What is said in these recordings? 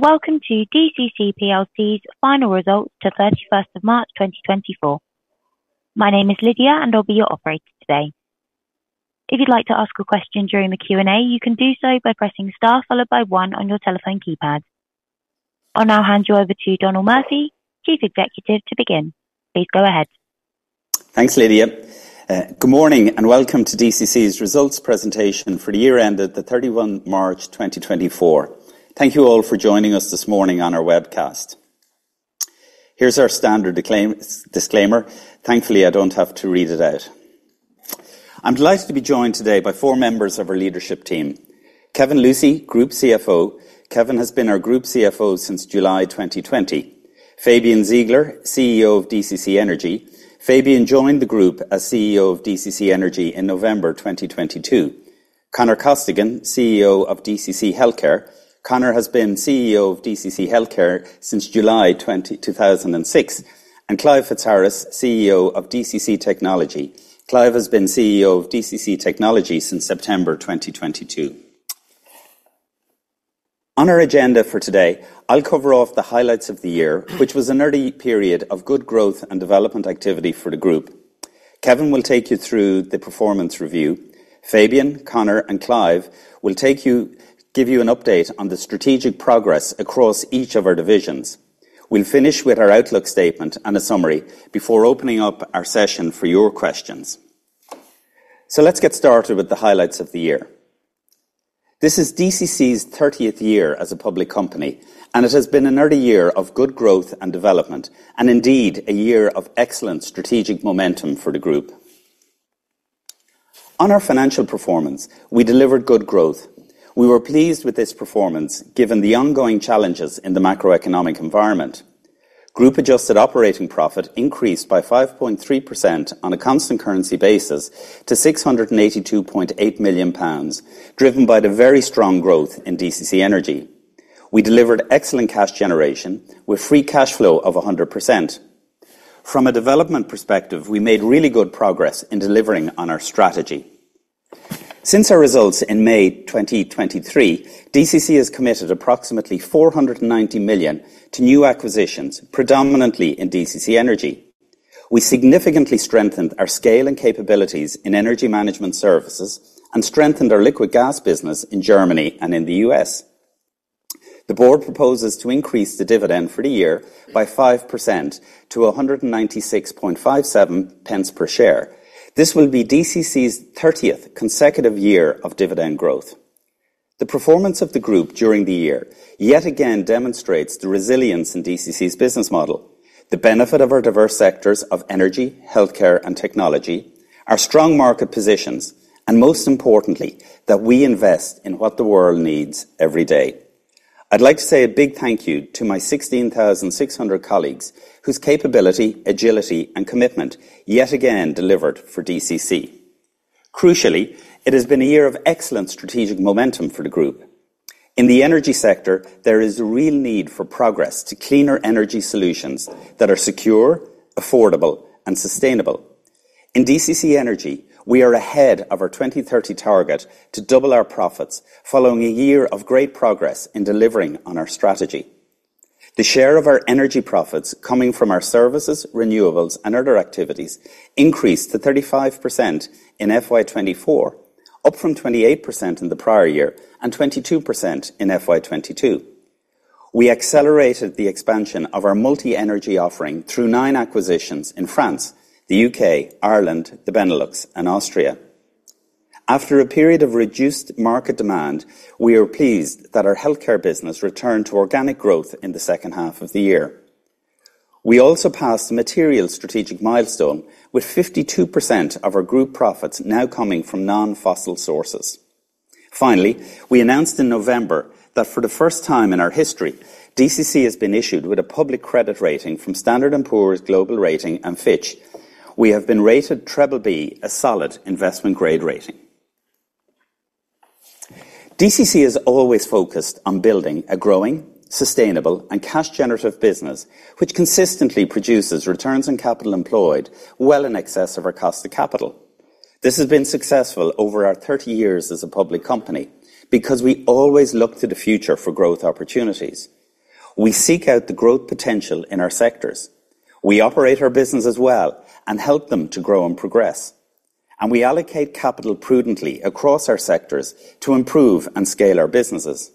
Welcome to DCC plc's Final Results to 31st of March 2024. My name is Lydia, and I'll be your operator today. If you'd like to ask a question during the Q&A, you can do so by pressing star followed by one on your telephone keypad. I'll now hand you over to Donal Murphy, Chief Executive, to begin. Please go ahead. Thanks, Lydia. Good morning and welcome to DCC's results presentation for the year ended the 31 March 2024. Thank you all for joining us this morning on our webcast. Here's our standard disclaimer. Thankfully, I don't have to read it out. I'm delighted to be joined today by four members of our leadership team: Kevin Lucey, group CFO. Kevin has been our group CFO since July 2020. Fabian Ziegler, CEO of DCC Energy. Fabian joined the group as CEO of DCC Energy in November 2022. Conor Costigan, CEO of DCC Healthcare. Conor has been CEO of DCC Healthcare since July 2006. And Clive Fitzharris, CEO of DCC Technology. Clive has been CEO of DCC Technology since September 2022. On our agenda for today, I'll cover off the highlights of the year, which was a heady period of good growth and development activity for the group. Kevin will take you through the performance review. Fabian, Conor, and Clive will give you an update on the strategic progress across each of our divisions. We'll finish with our outlook statement and a summary before opening up our session for your questions. So let's get started with the highlights of the year. This is DCC's 30th year as a public company, and it has been a heady year of good growth and development, and indeed a year of excellent strategic momentum for the group. On our financial performance, we delivered good growth. We were pleased with this performance given the ongoing challenges in the macroeconomic environment. group adjusted operating profit increased by 5.3% on a constant currency basis to 682.8 million pounds, driven by the very strong growth in DCC Energy. We delivered excellent cash generation with free cash flow of 100%. From a development perspective, we made really good progress in delivering on our strategy. Since our results in May 2023, DCC has committed approximately 490 million to new acquisitions, predominantly in DCC Energy. We significantly strengthened our scale and capabilities in energy management services and strengthened our liquid gas business in Germany and in the U.S. The Board proposes to increase the dividend for the year by 5% to 196.57 per share. This will be DCC's 30th consecutive year of dividend growth. The performance of the group during the year yet again demonstrates the resilience in DCC's business model, the benefit of our diverse sectors of energy, healthcare, and technology, our strong market positions, and most importantly, that we invest in what the world needs every day. I'd like to say a big thank you to my 16,600 colleagues whose capability, agility, and commitment yet again delivered for DCC. Crucially, it has been a year of excellent strategic momentum for the group. In the energy sector, there is a real need for progress to cleaner energy solutions that are secure, affordable, and sustainable. In DCC Energy, we are ahead of our 2030 target to double our profits following a year of great progress in delivering on our strategy. The share of our energy profits coming from our services, renewables, and other activities increased to 35% in FY 2024, up from 28% in the prior year and 22% in FY 2022. We accelerated the expansion of our multi-energy offering through nine acquisitions in France, the U.K., Ireland, the Benelux, and Austria. After a period of reduced market demand, we are pleased that our healthcare business returned to organic growth in the second half of the year. We also passed a material strategic milestone with 52% of our group profits now coming from non-fossil sources. Finally, we announced in November that for the first time in our history, DCC has been issued with a public credit rating from S&P Global Ratings and Fitch Ratings. We have been rated BBB, a solid investment-grade rating. DCC has always focused on building a growing, sustainable, and cash-generative business which consistently produces returns on capital employed well in excess of our cost of capital. This has been successful over our 30 years as a public company because we always look to the future for growth opportunities. We seek out the growth potential in our sectors. We operate our business as well and help them to grow and progress. We allocate capital prudently across our sectors to improve and scale our businesses.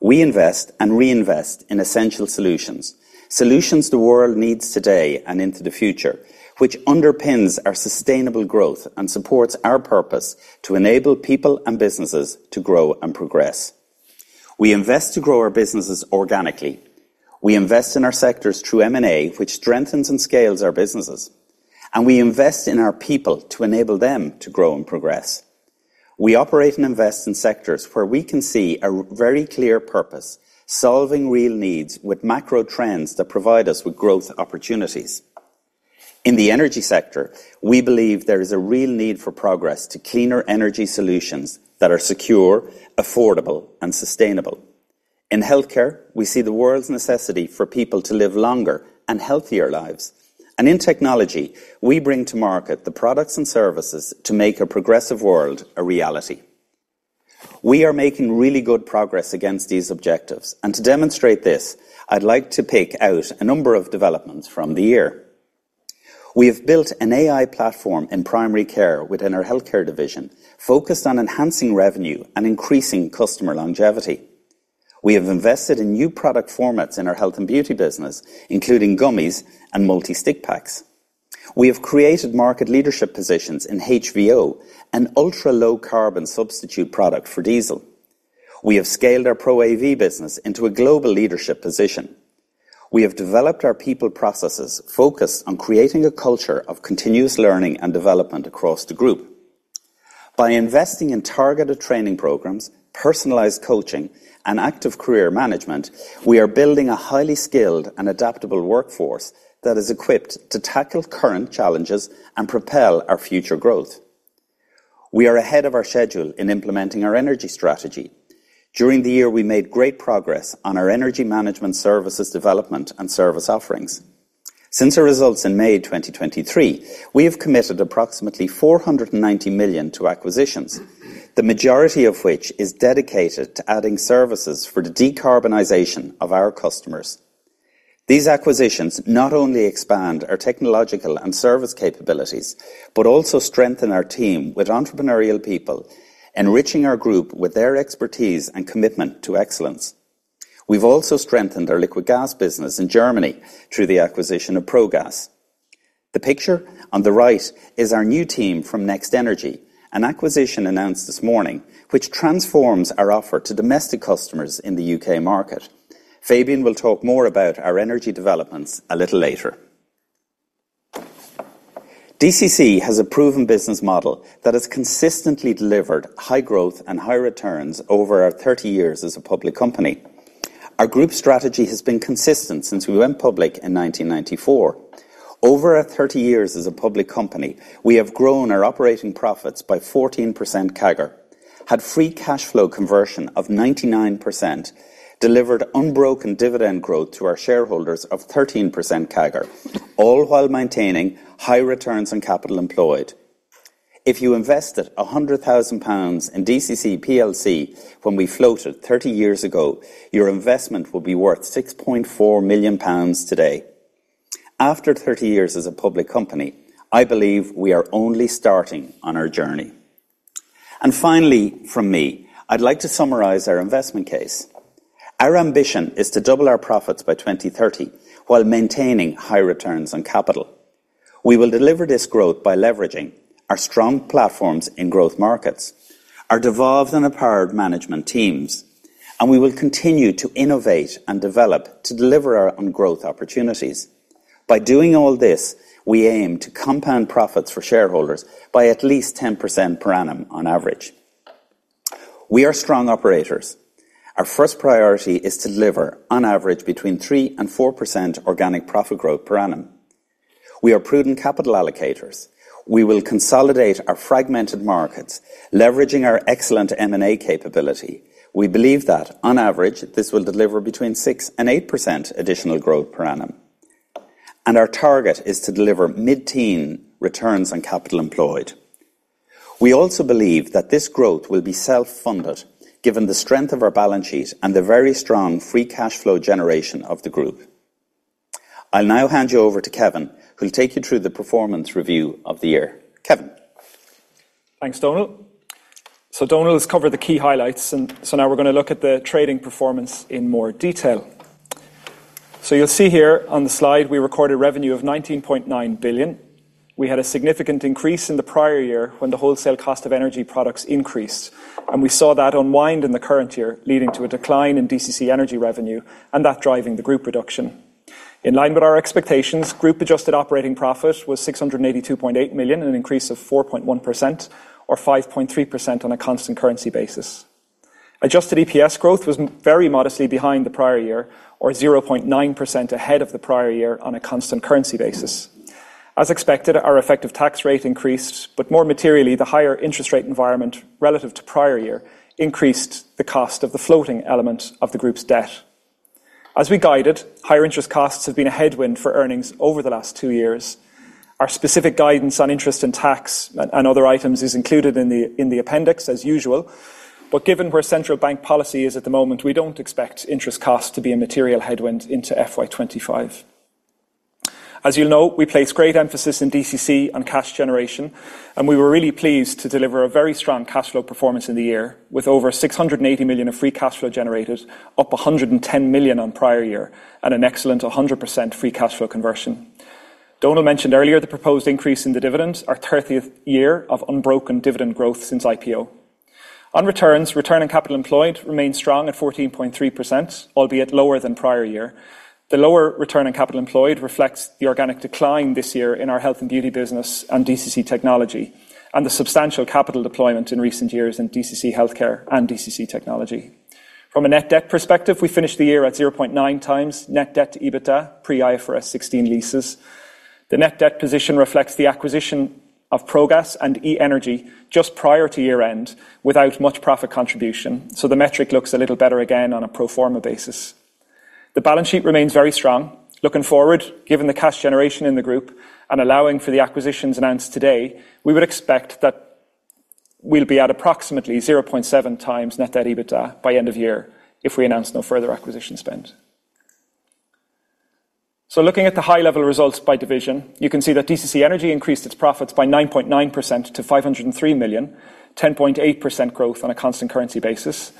We invest and reinvest in essential solutions, solutions the world needs today and into the future, which underpins our sustainable growth and supports our purpose to enable people and businesses to grow and progress. We invest to grow our businesses organically. We invest in our sectors through M&A, which strengthens and scales our businesses. We invest in our people to enable them to grow and progress. We operate and invest in sectors where we can see a very clear purpose, solving real needs with macro trends that provide us with growth opportunities. In the energy sector, we believe there is a real need for progress to cleaner energy solutions that are secure, affordable, and sustainable. In healthcare, we see the world's necessity for people to live longer and healthier lives. In technology, we bring to market the products and services to make a progressive world a reality. We are making really good progress against these objectives. To demonstrate this, I'd like to pick out a number of developments from the year. We have built an AI platform in primary care within our healthcare division focused on enhancing revenue and increasing customer longevity. We have invested in new product formats in our Health & Beauty business, including gummies and multi-stick packs. We have created market leadership positions in HVO, an ultra-low-carbon substitute product for diesel. We have scaled our Pro AV business into a global leadership position. We have developed our people processes focused on creating a culture of continuous learning and development across the group. By investing in targeted training programs, personalized coaching, and active career management, we are building a highly skilled and adaptable workforce that is equipped to tackle current challenges and propel our future growth. We are ahead of our schedule in implementing our energy strategy. During the year, we made great progress on our energy management services development and service offerings. Since our results in May 2023, we have committed approximately 490 million to acquisitions, the majority of which is dedicated to adding services for the decarbonization of our customers. These acquisitions not only expand our technological and service capabilities but also strengthen our team with entrepreneurial people, enriching our group with their expertise and commitment to excellence. We've also strengthened our liquid gas business in Germany through the acquisition of Progas. The picture on the right is our new team from Next Energy, an acquisition announced this morning which transforms our offer to domestic customers in the U.K. market. Fabian will talk more about our energy developments a little later. DCC has a proven business model that has consistently delivered high growth and high returns over our 30 years as a public company. Our group strategy has been consistent since we went public in 1994. Over our 30 years as a public company, we have grown our operating profits by 14% CAGR, had free cash flow conversion of 99%, delivered unbroken dividend growth to our shareholders of 13% CAGR, all while maintaining high returns on capital employed. If you invested 100,000 pounds in DCC plc when we floated 30 years ago, your investment would be worth 6.4 million pounds today. After 30 years as a public company, I believe we are only starting on our journey. And finally, from me, I'd like to summarize our investment case. Our ambition is to double our profits by 2030 while maintaining high returns on capital. We will deliver this growth by leveraging our strong platforms in growth markets, our devolved and empowered management teams, and we will continue to innovate and develop to deliver our own growth opportunities. By doing all this, we aim to compound profits for shareholders by at least 10% per annum on average. We are strong operators. Our first priority is to deliver, on average, between 3%-4% organic profit growth per annum. We are prudent capital allocators. We will consolidate our fragmented markets, leveraging our excellent M&A capability. We believe that, on average, this will deliver between 6%-8% additional growth per annum. Our target is to deliver mid-teen returns on capital employed. We also believe that this growth will be self-funded given the strength of our balance sheet and the very strong free cash flow generation of the group. I'll now hand you over to Kevin, who'll take you through the performance review of the year. Kevin. Thanks, Donal. So Donal has covered the key highlights, and so now we're going to look at the trading performance in more detail. So you'll see here on the slide, we recorded revenue of 19.9 billion. We had a significant increase in the prior year when the wholesale cost of energy products increased, and we saw that unwind in the current year, leading to a decline in DCC Energy revenue and that driving the group reduction. In line with our expectations, group adjusted operating profit was 682.8 million, an increase of 4.1% or 5.3% on a constant currency basis. Adjusted EPS growth was very modestly behind the prior year or 0.9% ahead of the prior year on a constant currency basis. As expected, our effective tax rate increased, but more materially, the higher interest rate environment relative to prior year increased the cost of the floating element of the group's debt. As we guided, higher interest costs have been a headwind for earnings over the last two years. Our specific guidance on interest and tax and other items is included in the appendix, as usual. But given where central bank policy is at the moment, we don't expect interest costs to be a material headwind into FY 2025. As you'll know, we place great emphasis in DCC on cash generation, and we were really pleased to deliver a very strong cash flow performance in the year with over 680 million of free cash flow generated, up 110 million on prior year, and an excellent 100% free cash flow conversion. Donal mentioned earlier the proposed increase in the dividends, our 30th year of unbroken dividend growth since IPO. On returns, return on capital employed remained strong at 14.3%, albeit lower than prior year. The lower return on capital employed reflects the organic decline this year in our Health & Beauty business and DCC Technology and the substantial capital deployment in recent years in DCC Healthcare and DCC Technology. From a net debt perspective, we finished the year at 0.9 times net debt to EBITDA pre-IFRS 16 leases. The net debt position reflects the acquisition of Progas and eEnergy just prior to year-end without much profit contribution, so the metric looks a little better again on a pro forma basis. The balance sheet remains very strong. Looking forward, given the cash generation in the group and allowing for the acquisitions announced today, we would expect that we'll be at approximately 0.7 times net debt EBITDA by end of year if we announce no further acquisition spend. So looking at the high-level results by division, you can see that DCC Energy increased its profits by 9.9% to 503 million, 10.8% growth on a constant currency basis.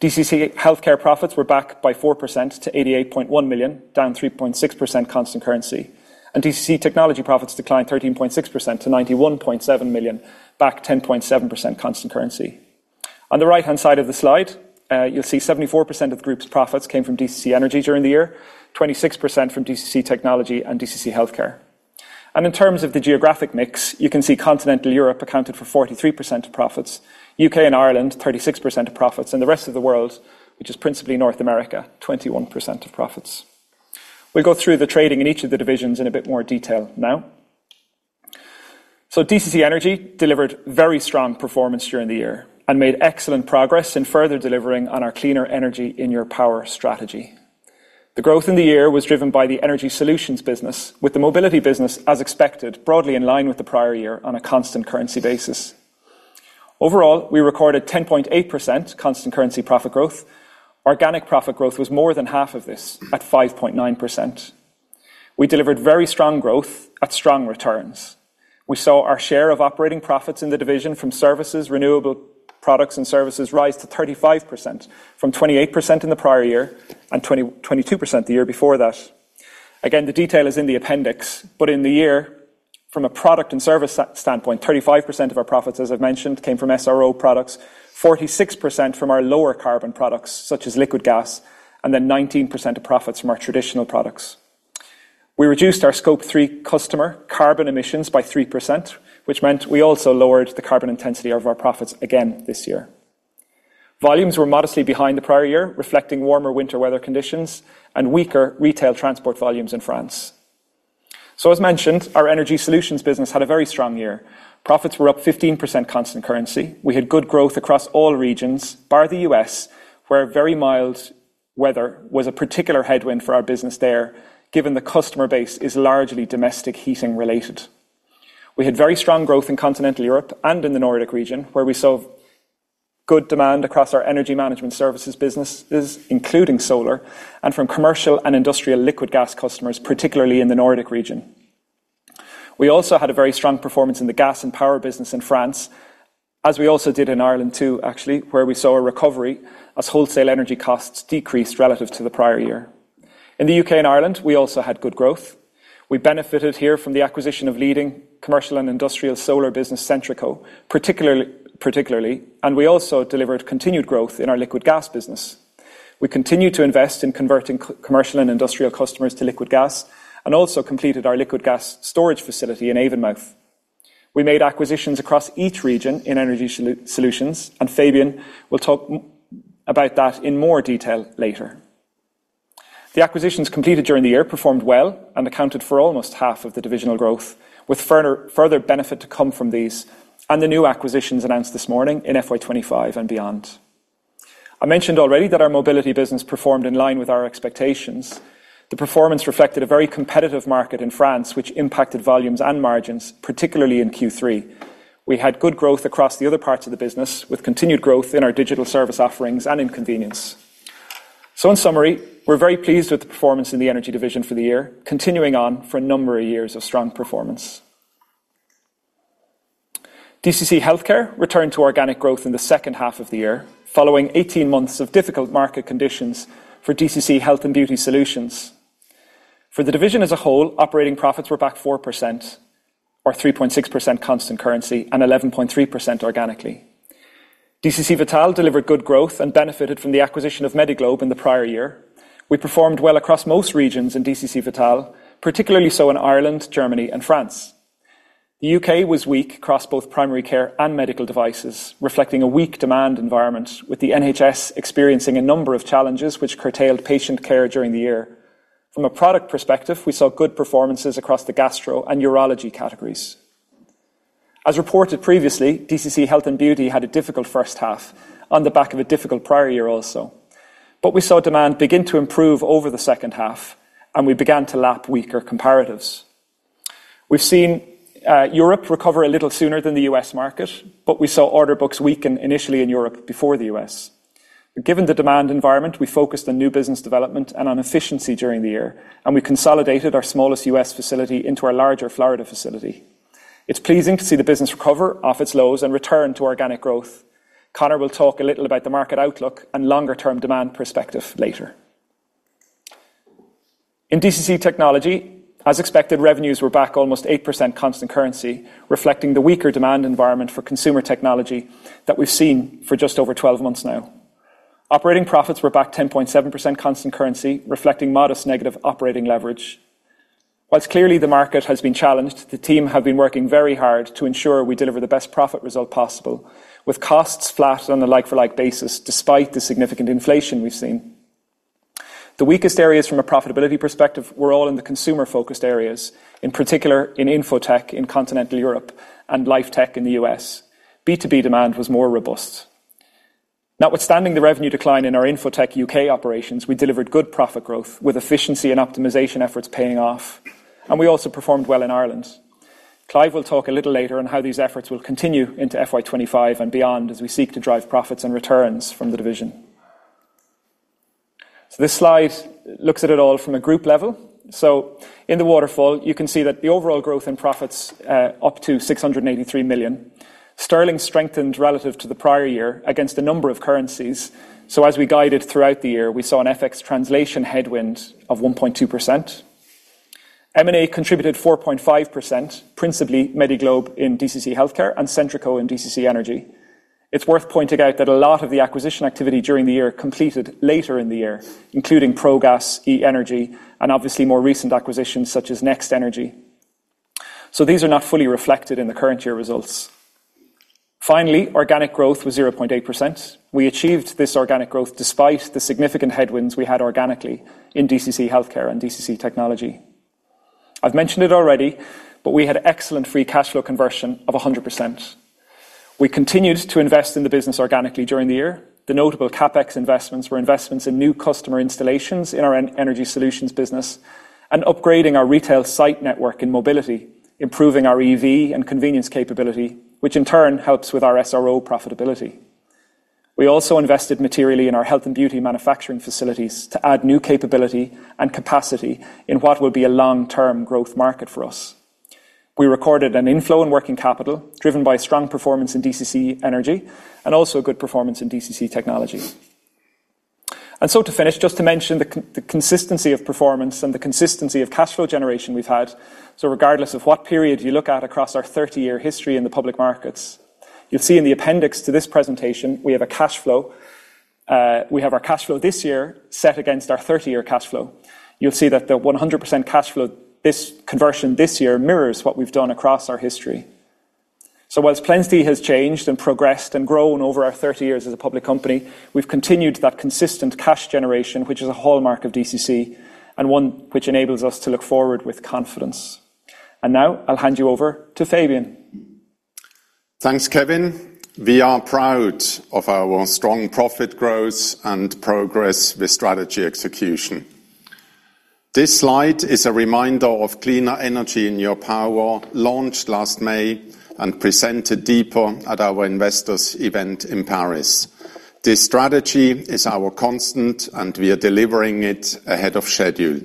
DCC Healthcare profits were back by 4% to 88.1 million, down 3.6% constant currency. And DCC Technology profits declined 13.6% to 91.7 million, back 10.7% constant currency. On the right-hand side of the slide, you'll see 74% of the group's profits came from DCC Energy during the year, 26% from DCC Technology and DCC Healthcare. In terms of the geographic mix, you can see Continental Europe accounted for 43% of profits, U.K. and Ireland 36% of profits, and the rest of the world, which is principally North America, 21% of profits. We'll go through the trading in each of the divisions in a bit more detail now. DCC Energy delivered very strong performance during the year and made excellent progress in further delivering on our cleaner energy in-your-power strategy. The growth in the year was driven by the energy solutions business, with the mobility business, as expected, broadly in line with the prior year on a constant currency basis. Overall, we recorded 10.8% constant currency profit growth. Organic profit growth was more than half of this at 5.9%. We delivered very strong growth at strong returns. We saw our share of operating profits in the division from services, renewable products, and services rise to 35% from 28% in the prior year and 22% the year before that. Again, the detail is in the appendix, but in the year, from a product and service standpoint, 35% of our profits, as I've mentioned, came from SRO products, 46% from our lower-carbon products such as liquid gas, and then 19% of profits from our traditional products. We reduced our Scope 3 customer carbon emissions by 3%, which meant we also lowered the carbon intensity of our profits again this year. Volumes were modestly behind the prior year, reflecting warmer winter weather conditions and weaker retail transport volumes in France. So as mentioned, our energy solutions business had a very strong year. Profits were up 15% constant currency. We had good growth across all regions, bar the U.S., where very mild weather was a particular headwind for our business there given the customer base is largely domestic heating related. We had very strong growth in continental Europe and in the Nordic region, where we saw good demand across our energy management services businesses, including solar, and from commercial and industrial liquid gas customers, particularly in the Nordic region. We also had a very strong performance in the gas and power business in France, as we also did in Ireland too, actually, where we saw a recovery as wholesale energy costs decreased relative to the prior year. In the U.K. and Ireland, we also had good growth. We benefited here from the acquisition of leading commercial and industrial solar business Centreco, particularly, and we also delivered continued growth in our liquid gas business. We continued to invest in converting commercial and industrial customers to liquid gas and also completed our liquid gas storage facility in Avonmouth. We made acquisitions across each region in energy solutions, and Fabian will talk about that in more detail later. The acquisitions completed during the year performed well and accounted for almost half of the divisional growth, with further benefit to come from these and the new acquisitions announced this morning in FY 2025 and beyond. I mentioned already that our mobility business performed in line with our expectations. The performance reflected a very competitive market in France, which impacted volumes and margins, particularly in Q3. We had good growth across the other parts of the business, with continued growth in our digital service offerings and EV convenience. So in summary, we're very pleased with the performance in the energy division for the year, continuing on for a number of years of strong performance. DCC Healthcare returned to organic growth in the second half of the year following 18 months of difficult market conditions for DCC Health & Beauty Solutions. For the division as a whole, operating profits were back 4% or 3.6% constant currency and 11.3% organically. DCC Vital delivered good growth and benefited from the acquisition of Medi-Globe in the prior year. We performed well across most regions in DCC Vital, particularly so in Ireland, Germany, and France. The U.K. was weak across both primary care and medical devices, reflecting a weak demand environment with the NHS experiencing a number of challenges which curtailed patient care during the year. From a product perspective, we saw good performances across the gastro and urology categories. As reported previously, DCC Health & Beauty had a difficult first half on the back of a difficult prior year also. But we saw demand begin to improve over the second half, and we began to lap weaker comparatives. We've seen Europe recover a little sooner than the U.S. market, but we saw order books weaken initially in Europe before the U.S. Given the demand environment, we focused on new business development and on efficiency during the year, and we consolidated our smallest U.S. facility into our larger Florida facility. It's pleasing to see the business recover off its lows and return to organic growth. Conor will talk a little about the market outlook and longer-term demand perspective later. In DCC Technology, as expected, revenues were back almost 8% constant currency, reflecting the weaker demand environment for consumer technology that we've seen for just over 12 months now. Operating profits were back 10.7% constant currency, reflecting modest negative operating leverage. While clearly the market has been challenged, the team have been working very hard to ensure we deliver the best profit result possible, with costs flat on a like-for-like basis despite the significant inflation we've seen. The weakest areas from a profitability perspective were all in the consumer-focused areas, in particular in Info Tech in continental Europe and Life Tech in the U.S. B2B demand was more robust. Notwithstanding the revenue decline in our Info Tech U.K. operations, we delivered good profit growth with efficiency and optimization efforts paying off, and we also performed well in Ireland. Clive will talk a little later on how these efforts will continue into FY 2025 and beyond as we seek to drive profits and returns from the division. So this slide looks at it all from a group level. So in the waterfall, you can see that the overall growth in profits up to 683 million. Sterling strengthened relative to the prior year against a number of currencies. So as we guided throughout the year, we saw an FX translation headwind of 1.2%. M&A contributed 4.5%, principally Medi-Globe in DCC Healthcare and Centreco in DCC Energy. It's worth pointing out that a lot of the acquisition activity during the year completed later in the year, including Progas, eEnergy, and obviously more recent acquisitions such as Next Energy. So these are not fully reflected in the current year results. Finally, organic growth was 0.8%. We achieved this organic growth despite the significant headwinds we had organically in DCC Healthcare and DCC Technology. I've mentioned it already, but we had excellent free cash flow conversion of 100%. We continued to invest in the business organically during the year. The notable CapEx investments were investments in new customer installations in our energy solutions business and upgrading our retail site network in mobility, improving our EV and convenience capability, which in turn helps with our SRO profitability. We also invested materially in our Health & Beauty manufacturing facilities to add new capability and capacity in what will be a long-term growth market for us. We recorded an inflow in working capital driven by strong performance in DCC Energy and also good performance in DCC Technology. And so to finish, just to mention the consistency of performance and the consistency of cash flow generation we've had. So regardless of what period you look at across our 30-year history in the public markets, you'll see in the appendix to this presentation, we have a cash flow. We have our cash flow this year set against our 30-year cash flow. You'll see that the 100% cash flow conversion this year mirrors what we've done across our history. So while DCC plc has changed and progressed and grown over our 30 years as a public company, we've continued that consistent cash generation, which is a hallmark of DCC and one which enables us to look forward with confidence. Now, I'll hand you over to Fabian. Thanks, Kevin. We are proud of our strong profit growth and progress with strategy execution. This slide is a reminder of Cleaner Energy in Your Power launched last May and presented deeper at our investors' event in Paris. This strategy is our constant, and we are delivering it ahead of schedule.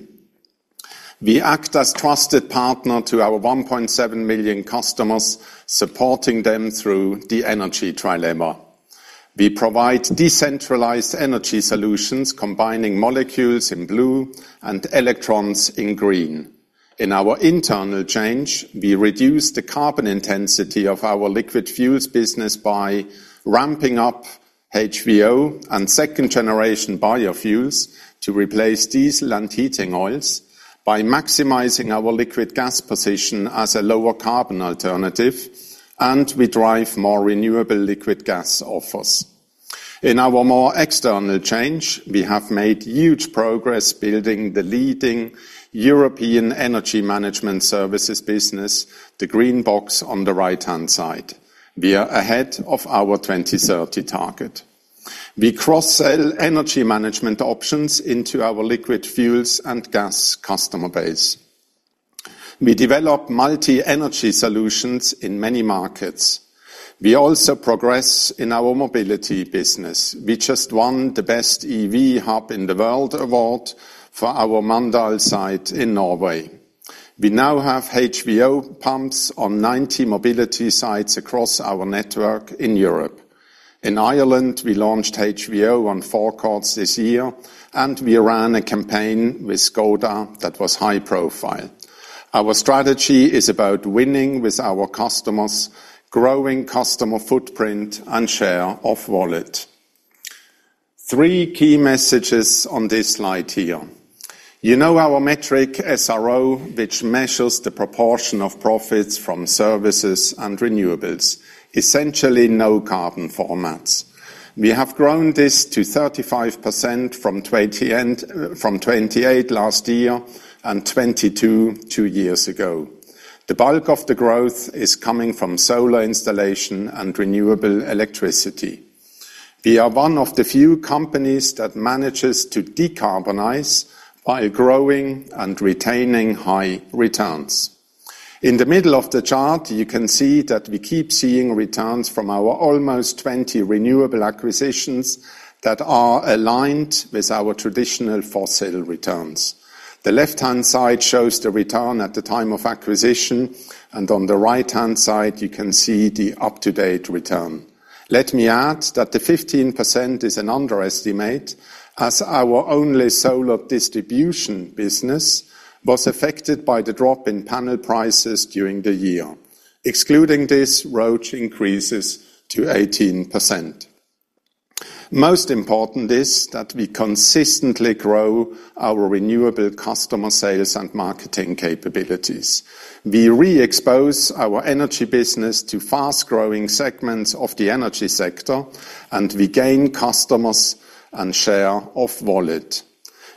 We act as a trusted partner to our 1.7 million customers, supporting them through the energy trilemma. We provide decentralized energy solutions combining molecules in blue and electrons in green. In our internal change, we reduced the carbon intensity of our liquid fuels business by ramping up HVO and second-generation biofuels to replace diesel and heating oils, by maximizing our liquid gas position as a lower-carbon alternative, and we drive more renewable liquid gas offers. In our more external change, we have made huge progress building the leading European energy management services business, the Green Box on the right-hand side. We are ahead of our 2030 target. We cross-sell energy management options into our liquid fuels and gas customer base. We develop multi-energy solutions in many markets. We also progress in our mobility business. We just won the Best EV Hub in the World award for our Mandal site in Norway. We now have HVO pumps on 90 mobility sites across our network in Europe. In Ireland, we launched HVO on forecourts this year, and we ran a campaign with Škoda that was high-profile. Our strategy is about winning with our customers, growing customer footprint, and share of wallet. Three key messages on this slide here. You know our metric SRO, which measures the proportion of profits from services and renewables, essentially no-carbon formats. We have grown this to 35% from 28% last year and 22% two years ago. The bulk of the growth is coming from solar installation and renewable electricity. We are one of the few companies that manages to decarbonize while growing and retaining high returns. In the middle of the chart, you can see that we keep seeing returns from our almost 20 renewable acquisitions that are aligned with our traditional fossil returns. The left-hand side shows the return at the time of acquisition, and on the right-hand side, you can see the up-to-date return. Let me add that the 15% is an underestimate as our only solar distribution business was affected by the drop in panel prices during the year. Excluding this, ROCE increases to 18%. Most important is that we consistently grow our renewable customer sales and marketing capabilities. We re-expose our energy business to fast-growing segments of the energy sector, and we gain customers and share of wallet.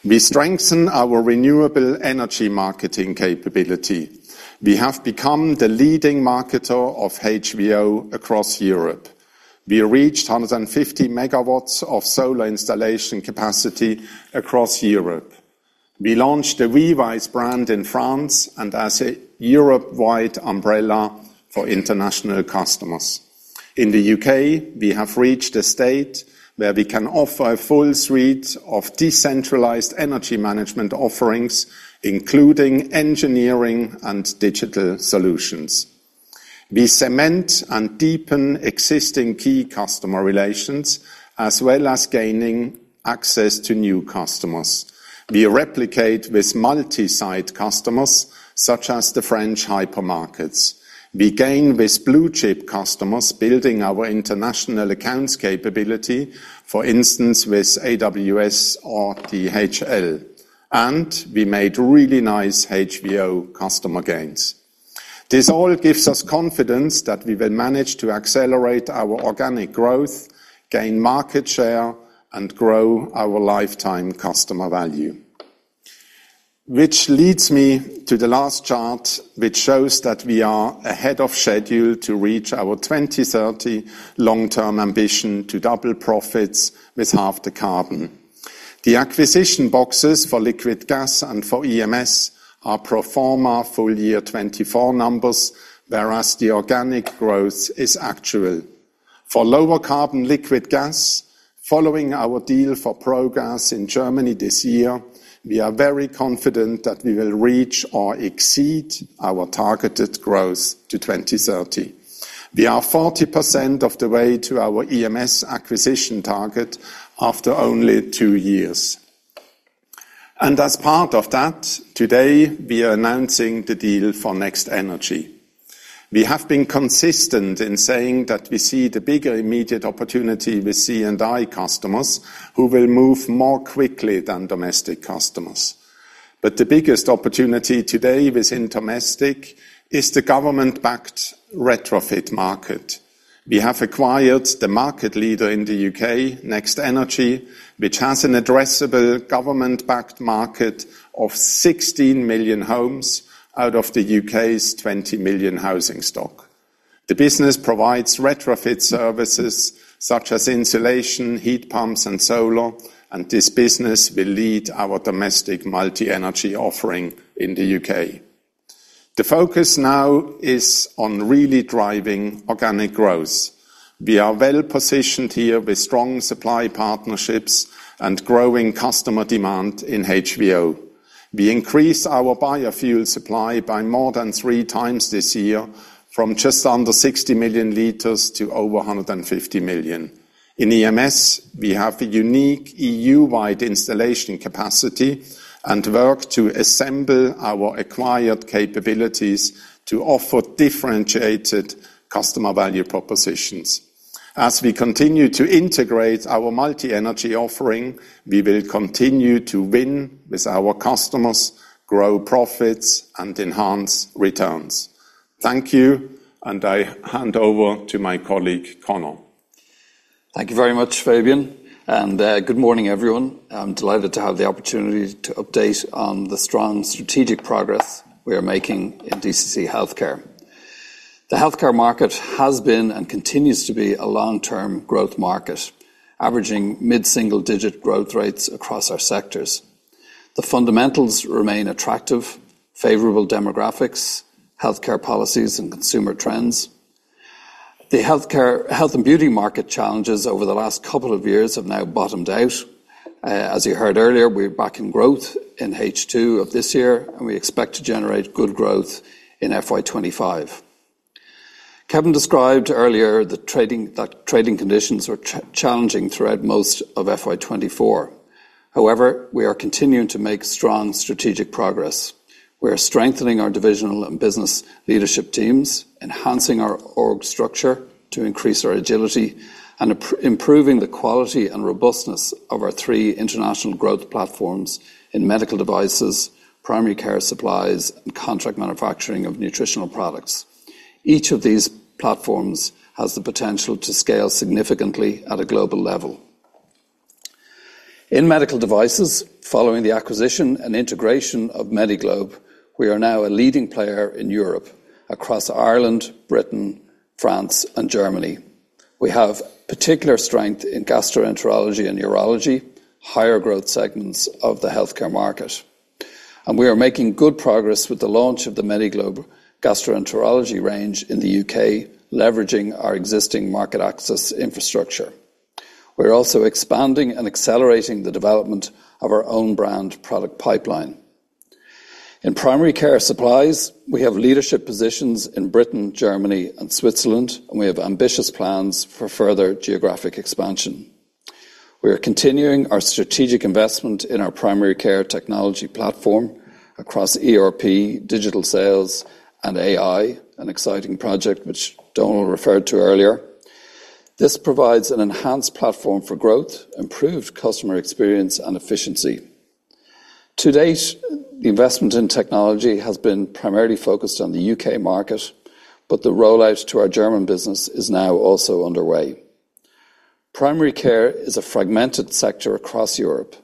We strengthen our renewable energy marketing capability. We have become the leading marketer of HVO across Europe. We reached 150 megawatts of solar installation capacity across Europe. We launched the WeWise brand in France and as a Europe-wide umbrella for international customers. In the U.K., we have reached a state where we can offer a full suite of decentralized energy management offerings, including engineering and digital solutions. We cement and deepen existing key customer relations as well as gaining access to new customers. We replicate with multi-site customers such as the French hypermarkets. We gain with blue-chip customers, building our international accounts capability, for instance, with AWS or DHL. We made really nice HVO customer gains. This all gives us confidence that we will manage to accelerate our organic growth, gain market share, and grow our lifetime customer value. Which leads me to the last chart, which shows that we are ahead of schedule to reach our 2030 long-term ambition to double profits with half the carbon. The acquisition boxes for liquid gas and for EMS are pro forma full year 2024 numbers, whereas the organic growth is actual. For lower-carbon liquid gas, following our deal for Progas in Germany this year, we are very confident that we will reach or exceed our targeted growth to 2030. We are 40% of the way to our EMS acquisition target after only two years. And as part of that, today, we are announcing the deal for Next Energy. We have been consistent in saying that we see the bigger immediate opportunity with C&I customers who will move more quickly than domestic customers. But the biggest opportunity today within domestic is the government-backed retrofit market. We have acquired the market leader in the U.K., Next Energy, which has an addressable government-backed market of 16 million homes out of the U.K.'s 20 million housing stock. The business provides retrofit services such as insulation, heat pumps, and solar, and this business will lead our domestic multi-energy offering in the U.K.. The focus now is on really driving organic growth. We are well-positioned here with strong supply partnerships and growing customer demand in HVO. We increase our biofuel supply by more than three times this year, from just under 60 million liters to over 150 million. In EMS, we have a unique EU-wide installation capacity and work to assemble our acquired capabilities to offer differentiated customer value propositions. As we continue to integrate our multi-energy offering, we will continue to win with our customers, grow profits, and enhance returns. Thank you, and I hand over to my colleague, Conor. Thank you very much, Fabian. And good morning, everyone. I'm delighted to have the opportunity to update on the strong strategic progress we are making in DCC Healthcare. The healthcare market has been and continues to be a long-term growth market, averaging mid-single-digit growth rates across our sectors. The fundamentals remain attractive: favorable demographics, healthcare policies, and consumer trends. The Health & Beauty market challenges over the last couple of years have now bottomed out. As you heard earlier, we're back in growth in H2 of this year, and we expect to generate good growth in FY 2025. Kevin described earlier that trading conditions were challenging throughout most of FY 2024. However, we are continuing to make strong strategic progress. We are strengthening our divisional and business leadership teams, enhancing our org structure to increase our agility, and improving the quality and robustness of our three international growth platforms in medical devices, primary care supplies, and contract manufacturing of nutritional products. Each of these platforms has the potential to scale significantly at a global level. In medical devices, following the acquisition and integration of Medi-Globe, we are now a leading player in Europe across Ireland, Britain, France, and Germany. We have particular strength in gastroenterology and neurology, higher growth segments of the healthcare market. We are making good progress with the launch of the Medi-Globe gastroenterology range in the U.K., leveraging our existing market access infrastructure. We're also expanding and accelerating the development of our own brand product pipeline. In primary care supplies, we have leadership positions in Britain, Germany, and Switzerland, and we have ambitious plans for further geographic expansion. We are continuing our strategic investment in our primary care technology platform across ERP, digital sales, and AI, an exciting project which Donal referred to earlier. This provides an enhanced platform for growth, improved customer experience, and efficiency. To date, the investment in technology has been primarily focused on the U.K. market, but the rollout to our German business is now also underway. Primary care is a fragmented sector across Europe.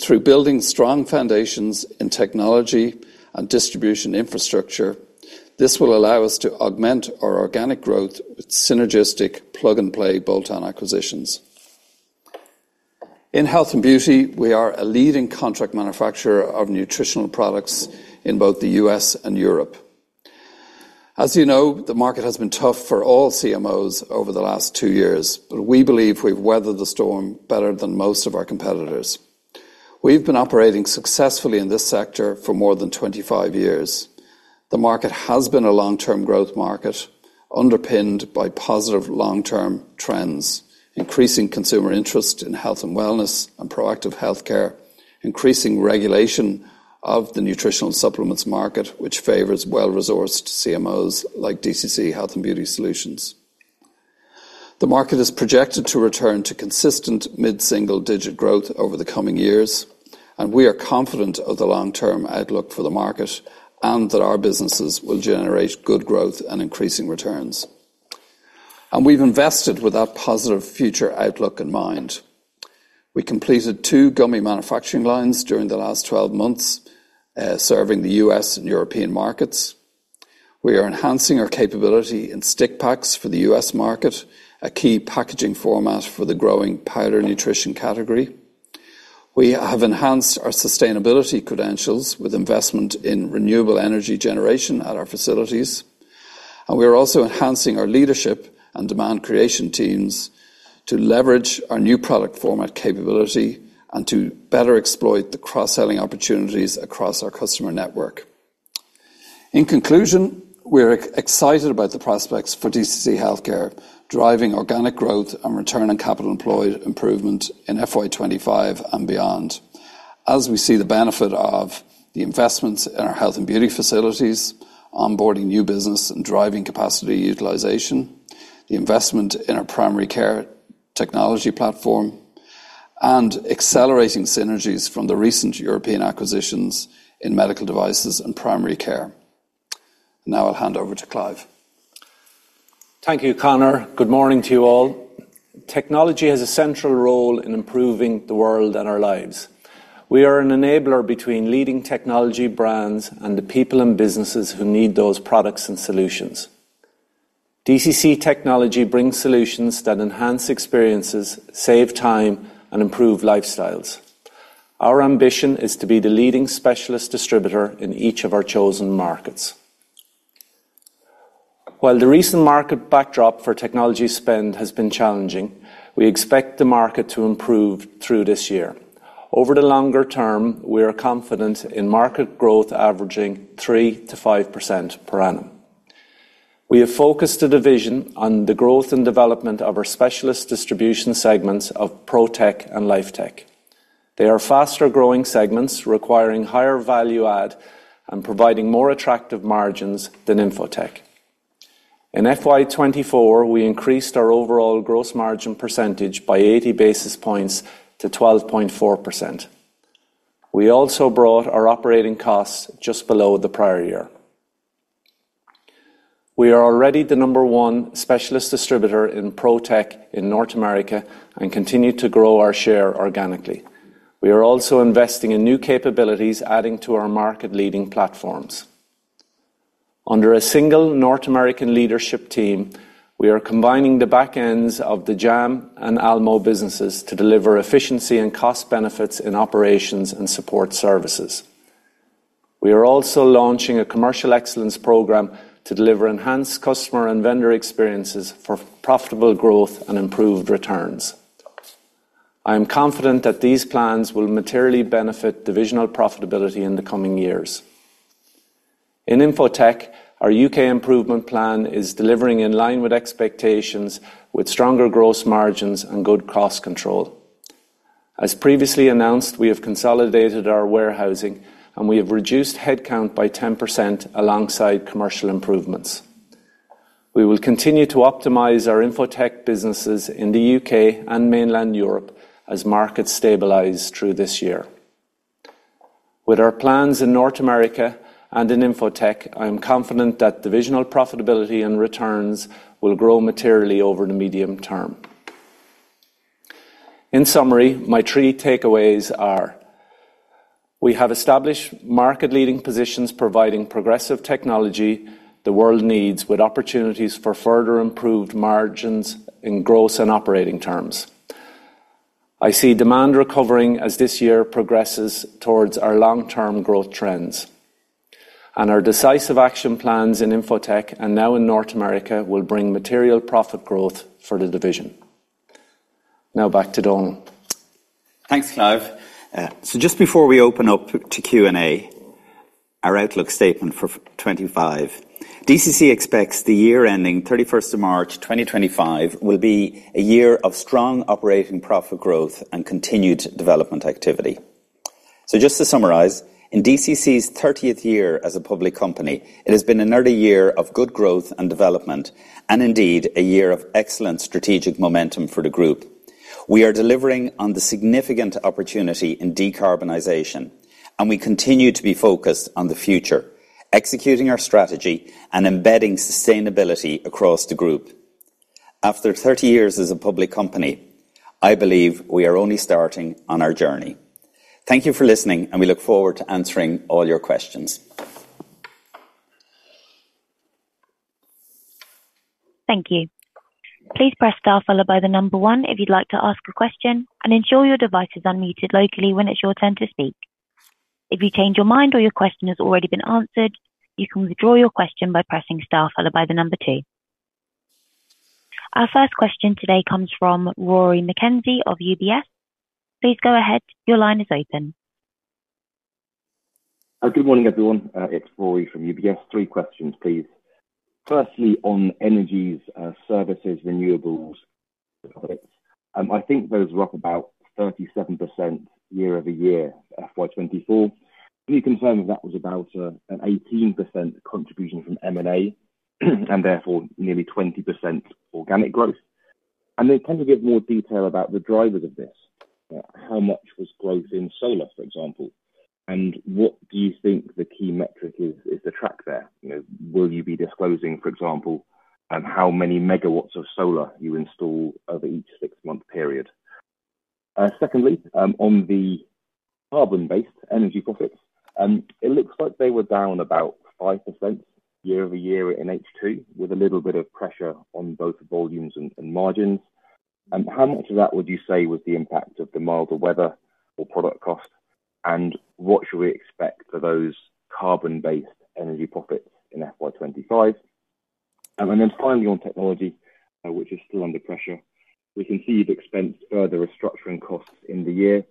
Through building strong foundations in technology and distribution infrastructure, this will allow us to augment our organic growth with synergistic plug-and-play bolt-on acquisitions. In Health & Beauty, we are a leading contract manufacturer of nutritional products in both the U.S. and Europe. As you know, the market has been tough for all CMOs over the last two years, but we believe we've weathered the storm better than most of our competitors. We've been operating successfully in this sector for more than 25 years. The market has been a long-term growth market underpinned by positive long-term trends, increasing consumer interest in health and wellness and proactive healthcare, increasing regulation of the nutritional supplements market, which favors well-resourced CMOs like DCC Health & Beauty Solutions. The market is projected to return to consistent mid-single-digit growth over the coming years, and we are confident of the long-term outlook for the market and that our businesses will generate good growth and increasing returns. We've invested with that positive future outlook in mind. We completed two gummy manufacturing lines during the last 12 months, serving the U.S. and European markets. We are enhancing our capability in stick packs for the U.S. market, a key packaging format for the growing powder nutrition category. We have enhanced our sustainability credentials with investment in renewable energy generation at our facilities. We are also enhancing our leadership and demand creation teams to leverage our new product format capability and to better exploit the cross-selling opportunities across our customer network. In conclusion, we're excited about the prospects for DCC Healthcare, driving organic growth and return on capital employed improvement in FY 2025 and beyond. As we see the benefit of the investments in our Health & Beauty facilities, onboarding new business, and driving capacity utilization, the investment in our primary care technology platform, and accelerating synergies from the recent European acquisitions in medical devices and primary care. Now I'll hand over to Clive. Thank you, Conor. Good morning to you all. Technology has a central role in improving the world and our lives. We are an enabler between leading technology brands and the people and businesses who need those products and solutions. DCC Technology brings solutions that enhance experiences, save time, and improve lifestyles. Our ambition is to be the leading specialist distributor in each of our chosen markets. While the recent market backdrop for technology spend has been challenging, we expect the market to improve through this year. Over the longer term, we are confident in market growth averaging 3%-5% per annum. We have focused the division on the growth and development of our specialist distribution segments of ProTech and LifeTech. They are faster-growing segments requiring higher value-add and providing more attractive margins than Info Tech. In FY 2024, we increased our overall gross margin percentage by 80 basis points to 12.4%. We also brought our operating costs just below the prior year. We are already the number one specialist distributor in ProTech in North America and continue to grow our share organically. We are also investing in new capabilities, adding to our market-leading platforms. Under a single North American leadership team, we are combining the backends of the Jam and Almo businesses to deliver efficiency and cost benefits in operations and support services. We are also launching a commercial excellence program to deliver enhanced customer and vendor experiences for profitable growth and improved returns. I am confident that these plans will materially benefit divisional profitability in the coming years. In Info Tech, our U.K. improvement plan is delivering in line with expectations, with stronger gross margins and good cost control. As previously announced, we have consolidated our warehousing, and we have reduced headcount by 10% alongside commercial improvements. We will continue to optimize our Info Tech businesses in the U.K. and mainland Europe as markets stabilize through this year. With our plans in North America and in Info Tech, I am confident that divisional profitability and returns will grow materially over the medium term. In summary, my three takeaways are: we have established market-leading positions providing progressive technology the world needs, with opportunities for further improved margins in gross and operating terms. I see demand recovering as this year progresses towards our long-term growth trends. Our decisive action plans in Info Tech and now in North America will bring material profit growth for the division. Now back to Donal. Thanks, Clive. Just before we open up to Q&A, our outlook statement for 2025: DCC expects the year ending 31st of March 2025 will be a year of strong operating profit growth and continued development activity. Just to summarise, in DCC's 30th year as a public company, it has been an early year of good growth and development, and indeed a year of excellent strategic momentum for the group. We are delivering on the significant opportunity in decarbonization, and we continue to be focused on the future, executing our strategy and embedding sustainability across the group. After 30 years as a public company, I believe we are only starting on our journey. Thank you for listening, and we look forward to answering all your questions. Thank you. Please press star followed by the number one if you'd like to ask a question, and ensure your device is unmuted locally when it's your turn to speak. If you change your mind or your question has already been answered, you can withdraw your question by pressing star followed by the number two. Our first question today comes from Rory McKenzie of UBS. Please go ahead. Your line is open. Good morning, everyone. It's Rory from UBS. Three questions, please. Firstly, on energies, services, renewables, and products, I think those were up about 37% year-over-year FY 2024. Can you confirm that that was about an 18% contribution from M&A and therefore nearly 20% organic growth? And then can you give more detail about the drivers of this? How much was growth in solar, for example? And what do you think the key metric is to track there? Will you be disclosing, for example, how many megawatts of solar you install over each six-month period? Secondly, on the carbon-based energy profits, it looks like they were down about 5% year-over-year in H2, with a little bit of pressure on both volumes and margins. How much of that would you say was the impact of the milder weather or product cost? And what should we expect for those carbon-based energy profits in FY 2025? And then finally, on technology, which is still under pressure, we can see you've expensed further restructuring costs in the year.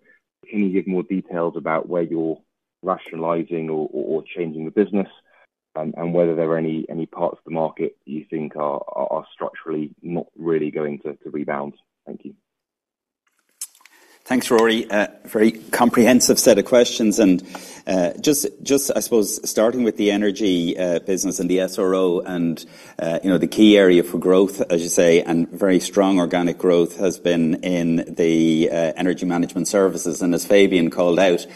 Can you give more details about where you're rationalizing or changing the business and whether there are any parts of the market you think are structurally not really going to rebound? Thank you. Thanks, Rory. Very comprehensive set of questions. Just, I suppose, starting with the energy business and the SRO and the key area for growth, as you say, and very strong organic growth has been in the energy management services. And as Fabian called out,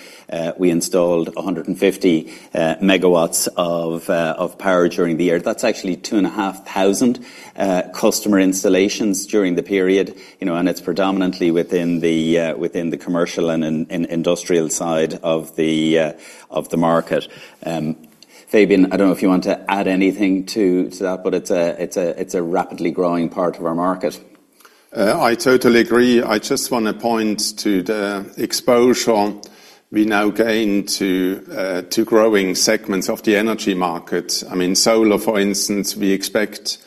we installed 150 MW of power during the year. That's actually 2,500 customer installations during the period. And it's predominantly within the commercial and industrial side of the market. Fabian, I don't know if you want to add anything to that, but it's a rapidly growing part of our market. I totally agree. I just want to point to the exposure we now gain to growing segments of the energy market. I mean, solar, for instance, we expect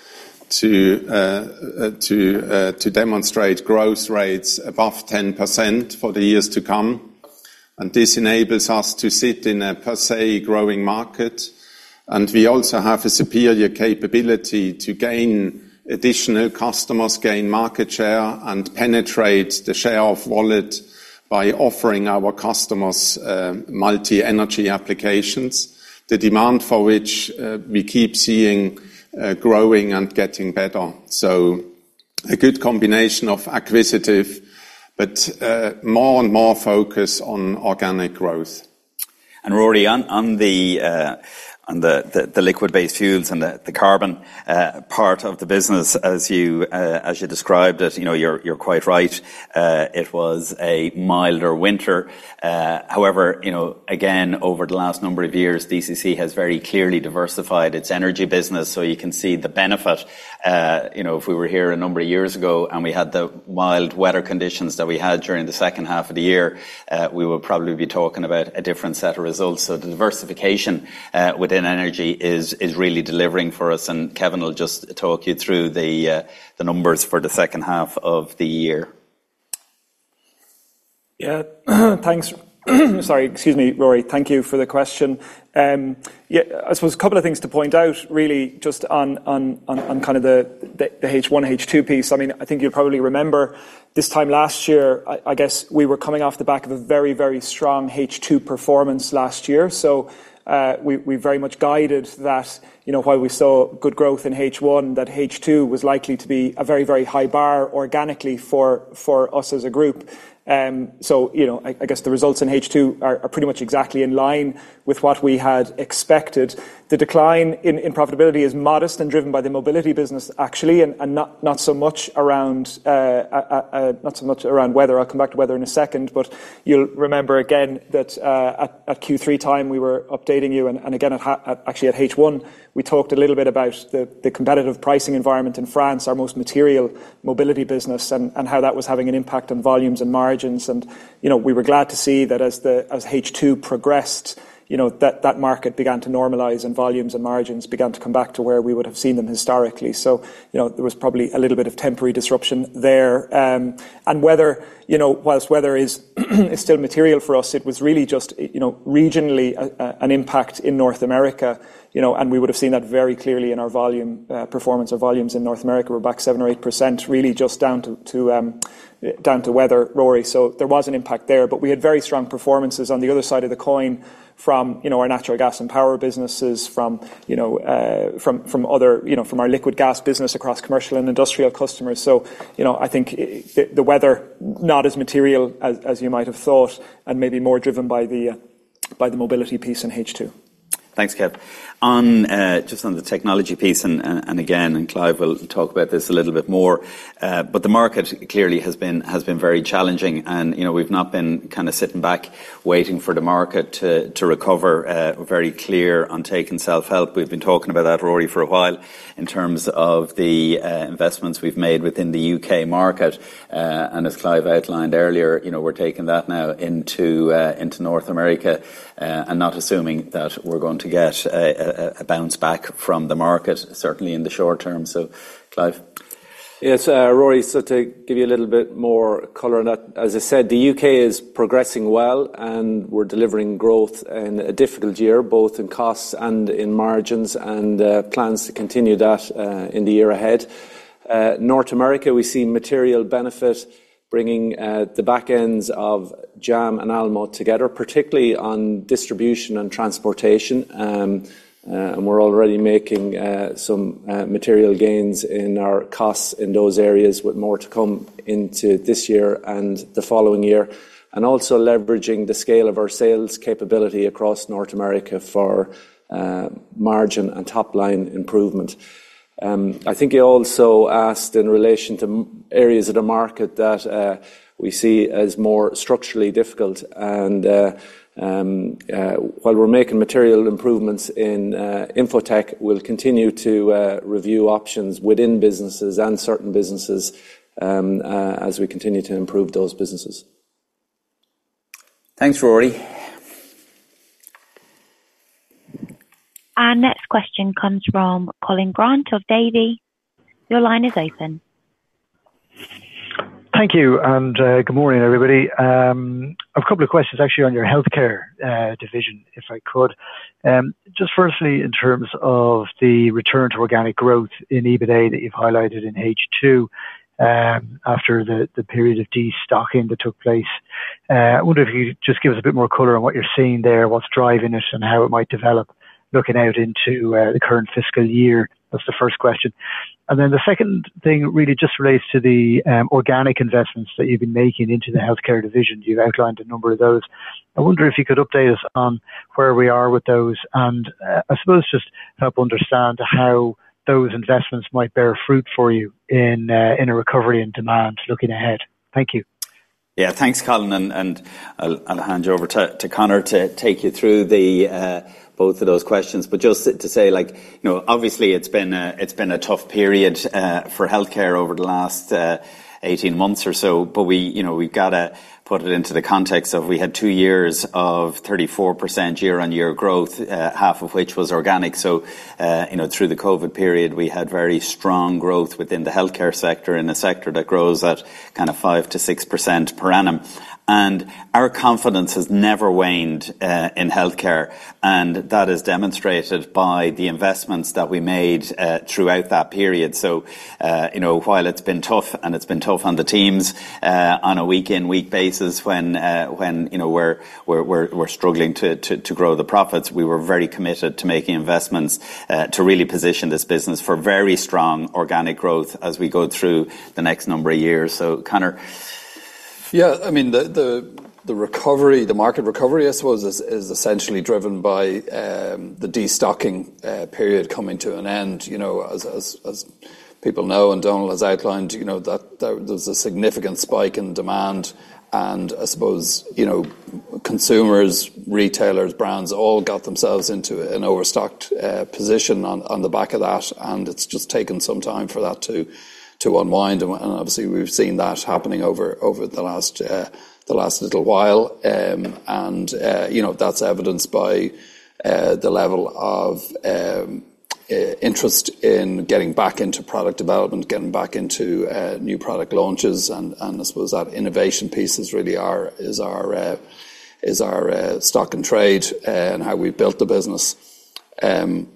to demonstrate growth rates above 10% for the years to come. And this enables us to sit in a per se growing market. And we also have a superior capability to gain additional customers, gain market share, and penetrate the share of wallet by offering our customers multi-energy applications, the demand for which we keep seeing growing and getting better. So a good combination of acquisitive, but more and more focus on organic growth. And Rory, on the liquid-based fuels and the carbon part of the business, as you described it, you're quite right. It was a milder winter. However, again, over the last number of years, DCC has very clearly diversified its energy business. So you can see the benefit. If we were here a number of years ago and we had the mild weather conditions that we had during the second half of the year, we would probably be talking about a different set of results. So the diversification within energy is really delivering for us. And Kevin will just talk you through the numbers for the second half of the year. Yeah. Thanks. Sorry. Excuse me, Rory. Thank you for the question. Yeah, I suppose a couple of things to point out, really, just on kind of the H1, H2 piece. I mean, I think you'll probably remember this time last year, I guess we were coming off the back of a very, very strong H2 performance last year. So we very much guided that while we saw good growth in H1, that H2 was likely to be a very, very high bar organically for us as a group. So I guess the results in H2 are pretty much exactly in line with what we had expected. The decline in profitability is modest and driven by the mobility business, actually, and not so much around weather. I'll come back to weather in a second. But you'll remember, again, that at Q3 time, we were updating you. And again, actually, at H1, we talked a little bit about the competitive pricing environment in France, our most material mobility business, and how that was having an impact on volumes and margins. And we were glad to see that as H2 progressed, that market began to normalize and volumes and margins began to come back to where we would have seen them historically. So there was probably a little bit of temporary disruption there. And while weather is still material for us, it was really just regionally an impact in North America. And we would have seen that very clearly in our volume performance. Our volumes in North America were back 7% or 8%, really just down to weather, Rory. So there was an impact there. But we had very strong performances on the other side of the coin from our natural gas and power businesses, from our liquid gas business across commercial and industrial customers. So I think the weather, not as material as you might have thought, and maybe more driven by the mobility piece in H2. Thanks, Kev. Just on the technology piece, and again, Clive will talk about this a little bit more. But the market clearly has been very challenging. And we've not been kind of sitting back waiting for the market to recover, very clear on taking self-help. We've been talking about that, Rory, for a while, in terms of the investments we've made within the U.K. market. And as Clive outlined earlier, we're taking that now into North America and not assuming that we're going to get a bounce back from the market, certainly in the short term. So Clive? Yes. Rory, so to give you a little bit more color on that, as I said, the U.K. is progressing well, and we're delivering growth in a difficult year, both in costs and in margins and plans to continue that in the year ahead. North America, we see material benefit bringing the backends of Jam and Almo together, particularly on distribution and transportation. We're already making some material gains in our costs in those areas with more to come into this year and the following year, and also leveraging the scale of our sales capability across North America for margin and top-line improvement. I think you also asked in relation to areas of the market that we see as more structurally difficult. While we're making material improvements in Info Tech, we'll continue to review options within businesses and certain businesses as we continue to improve those businesses. Thanks, Rory. Our next question comes from Colin Grant of Davy. Your line is open. Thank you. Good morning, everybody. I've a couple of questions, actually, on your healthcare division, if I could. Just firstly, in terms of the return to organic growth in EBITDA that you've highlighted in H2 after the period of destocking that took place, I wonder if you could just give us a bit more color on what you're seeing there, what's driving it, and how it might develop looking out into the current fiscal year. That's the first question. Then the second thing really just relates to the organic investments that you've been making into the healthcare division. You've outlined a number of those. I wonder if you could update us on where we are with those and, I suppose, just help understand how those investments might bear fruit for you in a recovery in demand looking ahead. Thank you. Yeah. Thanks, Colin. And I'll hand you over to Conor to take you through both of those questions. But just to say, obviously, it's been a tough period for healthcare over the last 18 months or so. But we've got to put it into the context of we had two years of 34% year-on-year growth, half of which was organic. So through the COVID period, we had very strong growth within the healthcare sector in a sector that grows at kind of 5%-6% per annum. And our confidence has never waned in healthcare. And that is demonstrated by the investments that we made throughout that period. So while it's been tough, and it's been tough on the teams on a week in, week out basis when we're struggling to grow the profits, we were very committed to making investments to really position this business for very strong organic growth as we go through the next number of years. So Conor? Yeah. I mean, the market recovery, I suppose, is essentially driven by the destocking period coming to an end. As people know and Donal has outlined, there was a significant spike in demand. And I suppose consumers, retailers, brands, all got themselves into an overstocked position on the back of that. And it's just taken some time for that to unwind. And obviously, we've seen that happening over the last little while. And that's evidenced by the level of interest in getting back into product development, getting back into new product launches. And I suppose that innovation piece is really our stock-in-trade and how we've built the business. And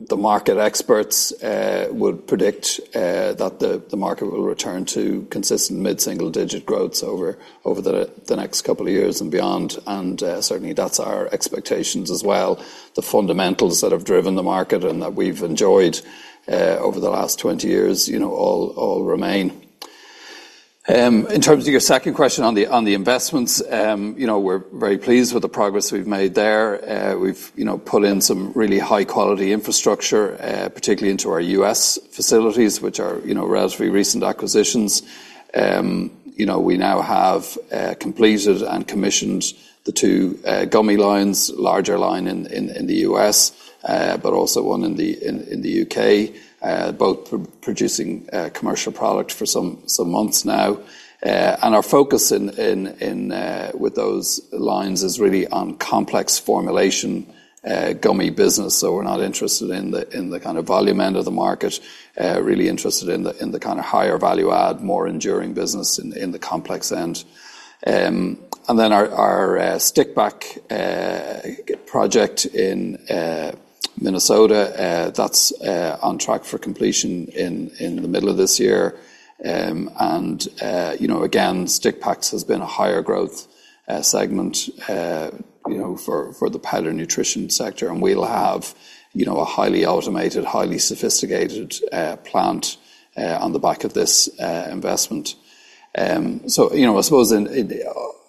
the market experts would predict that the market will return to consistent mid-single-digit growths over the next couple of years and beyond. And certainly, that's our expectations as well. The fundamentals that have driven the market and that we've enjoyed over the last 20 years all remain. In terms of your second question on the investments, we're very pleased with the progress we've made there. We've pulled in some really high-quality infrastructure, particularly into our U.S. facilities, which are relatively recent acquisitions. We now have completed and commissioned the two gummy lines, larger line in the U.S., but also one in the U.K., both producing commercial product for some months now. And our focus with those lines is really on complex formulation gummy business. So we're not interested in the kind of volume end of the market, really interested in the kind of higher value-add, more enduring business in the complex end. And then our stick pack project in Minnesota, that's on track for completion in the middle of this year. And again, stick packs has been a higher growth segment for the powder nutrition sector. We'll have a highly automated, highly sophisticated plant on the back of this investment. I suppose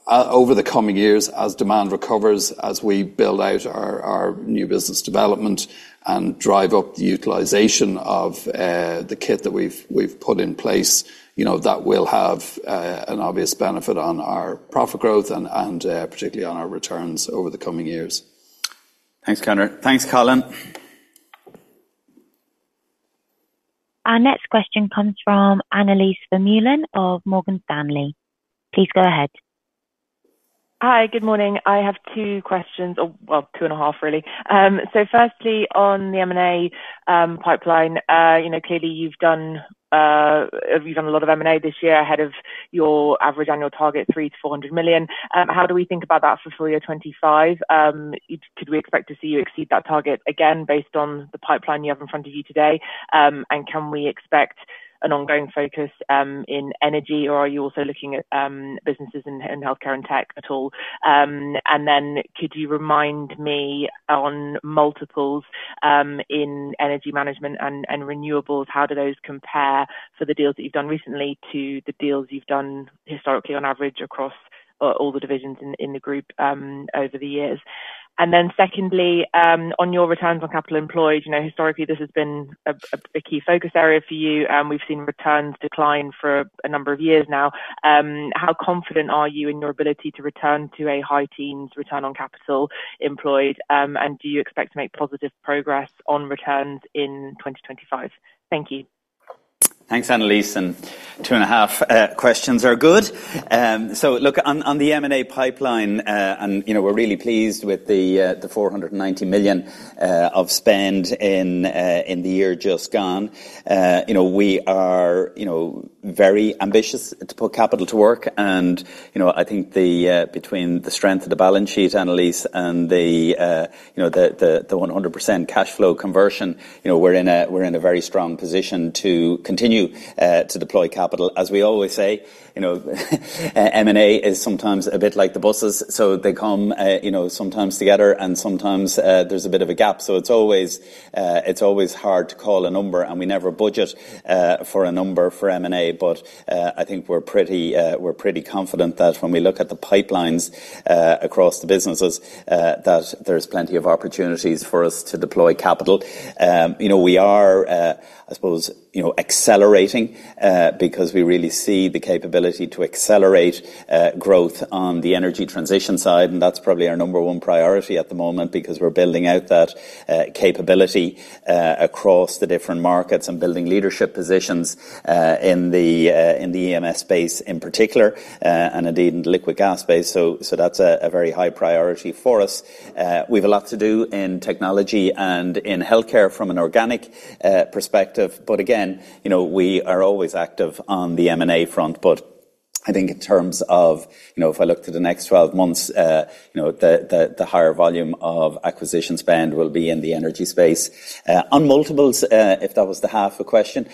over the coming years, as demand recovers, as we build out our new business development and drive up the utilization of the kit that we've put in place, that will have an obvious benefit on our profit growth and particularly on our returns over the coming years. Thanks, Conor. Thanks, Colin. Our next question comes from Annelies Vermeulen of Morgan Stanley. Please go ahead. Hi. Good morning. I have two questions, or well, two and a half, really. So firstly, on the M&A pipeline, clearly, you've done a lot of M&A this year ahead of your average annual target, 3 million-400 million. How do we think about that for full year 2025? Could we expect to see you exceed that target again based on the pipeline you have in front of you today? And can we expect an ongoing focus in energy, or are you also looking at businesses in healthcare and tech at all? And then could you remind me on multiples in energy management and renewables, how do those compare for the deals that you've done recently to the deals you've done historically, on average, across all the divisions in the group over the years? And then secondly, on your returns on capital employed, historically, this has been a key focus area for you. We've seen returns decline for a number of years now. How confident are you in your ability to return to a high teens return on capital employed? And do you expect to make positive progress on returns in 2025? Thank you. Thanks, Annelies. Two and a half questions are good. So look, on the M&A pipeline, and we're really pleased with the 490 million of spend in the year just gone. We are very ambitious to put capital to work. I think between the strength of the balance sheet, Annelies, and the 100% cash flow conversion, we're in a very strong position to continue to deploy capital. As we always say, M&A is sometimes a bit like the buses. So they come sometimes together, and sometimes there's a bit of a gap. So it's always hard to call a number. And we never budget for a number for M&A. But I think we're pretty confident that when we look at the pipelines across the businesses, that there's plenty of opportunities for us to deploy capital. We are, I suppose, accelerating because we really see the capability to accelerate growth on the energy transition side. That's probably our number one priority at the moment because we're building out that capability across the different markets and building leadership positions in the EMS space in particular and indeed in the liquid gas space. So that's a very high priority for us. We have a lot to do in technology and in healthcare from an organic perspective. But again, we are always active on the M&A front. But I think in terms of if I look to the next 12 months, the higher volume of acquisition spend will be in the energy space. On multiples, if that was the half a question,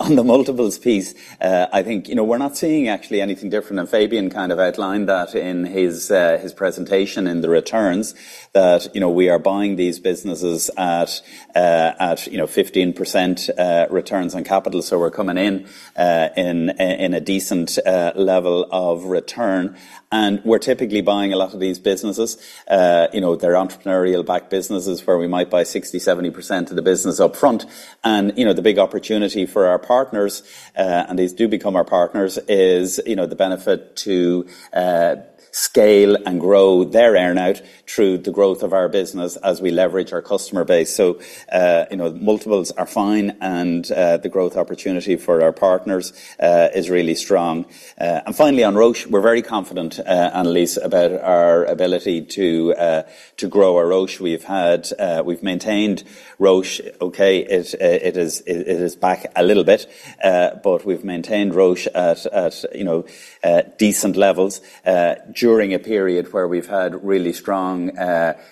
on the multiples piece, I think we're not seeing, actually, anything different. Fabian kind of outlined that in his presentation in the returns, that we are buying these businesses at 15% returns on capital. So we're coming in in a decent level of return. And we're typically buying a lot of these businesses. They're entrepreneurial-backed businesses where we might buy 60%, 70% of the business upfront. And the big opportunity for our partners, and these do become our partners, is the benefit to scale and grow their earnout through the growth of our business as we leverage our customer base. So multiples are fine, and the growth opportunity for our partners is really strong. And finally, on ROCE, we're very confident, Annelies, about our ability to grow our ROCE. We've maintained ROCE. Okay. It is back a little bit. We've maintained ROCE at decent levels during a period where we've had really strong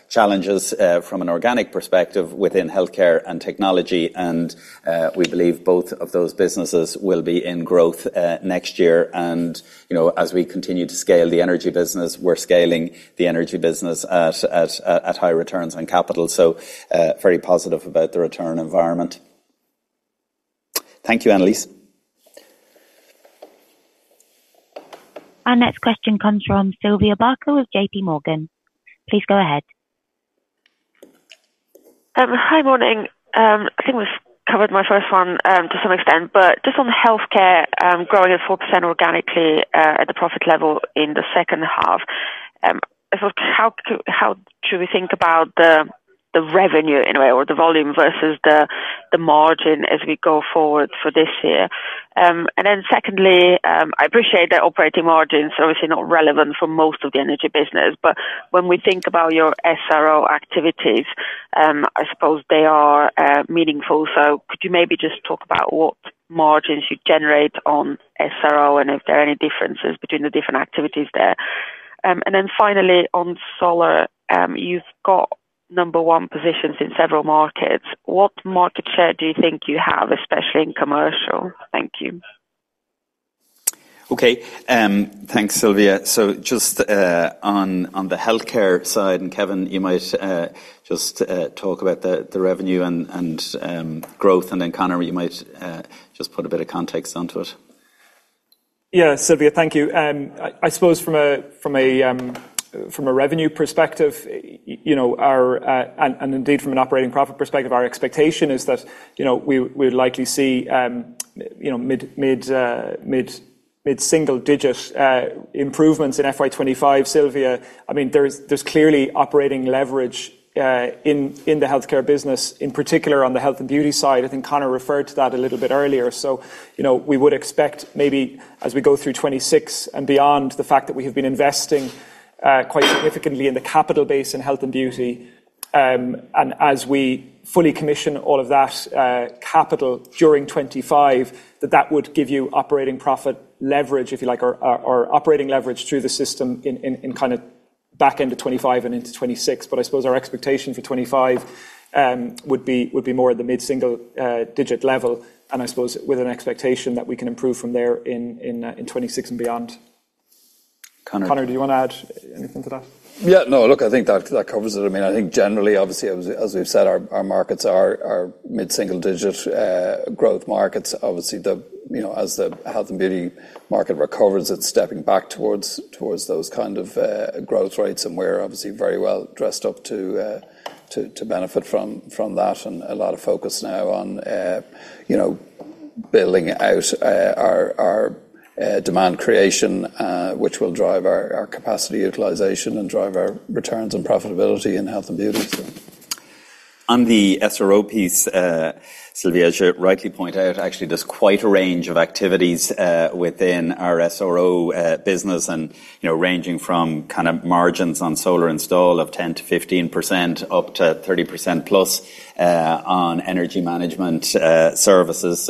challenges from an organic perspective within healthcare and technology. We believe both of those businesses will be in growth next year. As we continue to scale the energy business, we're scaling the energy business at high returns on capital. Very positive about the return environment. Thank you, Annelies. Our next question comes from Sylvia Barker of JPMorgan. Please go ahead. Hi. Morning. I think we've covered my first one to some extent. But just on healthcare, growing at 4% organically at the profit level in the second half, I suppose how should we think about the revenue in a way, or the volume versus the margin as we go forward for this year? And then secondly, I appreciate that operating margin's obviously not relevant for most of the energy business. But when we think about your SRO activities, I suppose they are meaningful. So could you maybe just talk about what margins you generate on SRO and if there are any differences between the different activities there? And then finally, on solar, you've got number one positions in several markets. What market share do you think you have, especially in commercial? Thank you. Okay. Thanks, Sylvia. So just on the healthcare side, and Kevin, you might just talk about the revenue and growth. Then Conor, you might just put a bit of context onto it. Yeah, Sylvia. Thank you. I suppose from a revenue perspective and indeed from an operating profit perspective, our expectation is that we would likely see mid-single-digit improvements in FY 2025, Sylvia. I mean, there's clearly operating leverage in the healthcare business, in particular on the Health & Beauty side. I think Conor referred to that a little bit earlier. So we would expect maybe as we go through 2026 and beyond, the fact that we have been investing quite significantly in the capital base in Health & Beauty, and as we fully commission all of that capital during 2025, that that would give you operating profit leverage, if you like, or operating leverage through the system in kind of back end of 2025 and into 2026. But I suppose our expectation for 2025 would be more at the mid-single-digit level, and I suppose with an expectation that we can improve from there in 2026 and beyond. Conor. Conor, do you want to add anything to that? Yeah. No. Look, I think that covers it. I mean, I think generally, obviously, as we've said, our markets are mid-single-digit growth markets. Obviously, as the Health & Beauty market recovers, it's stepping back towards those kind of growth rates. And we're obviously very well dressed up to benefit from that and a lot of focus now on building out our demand creation, which will drive our capacity utilization and drive our returns and profitability in Health & Beauty. On the SRO piece, Sylvia, as you rightly point out, actually, there's quite a range of activities within our SRO business, ranging from kind of margins on solar install of 10%-15% up to 30%+ on energy management services.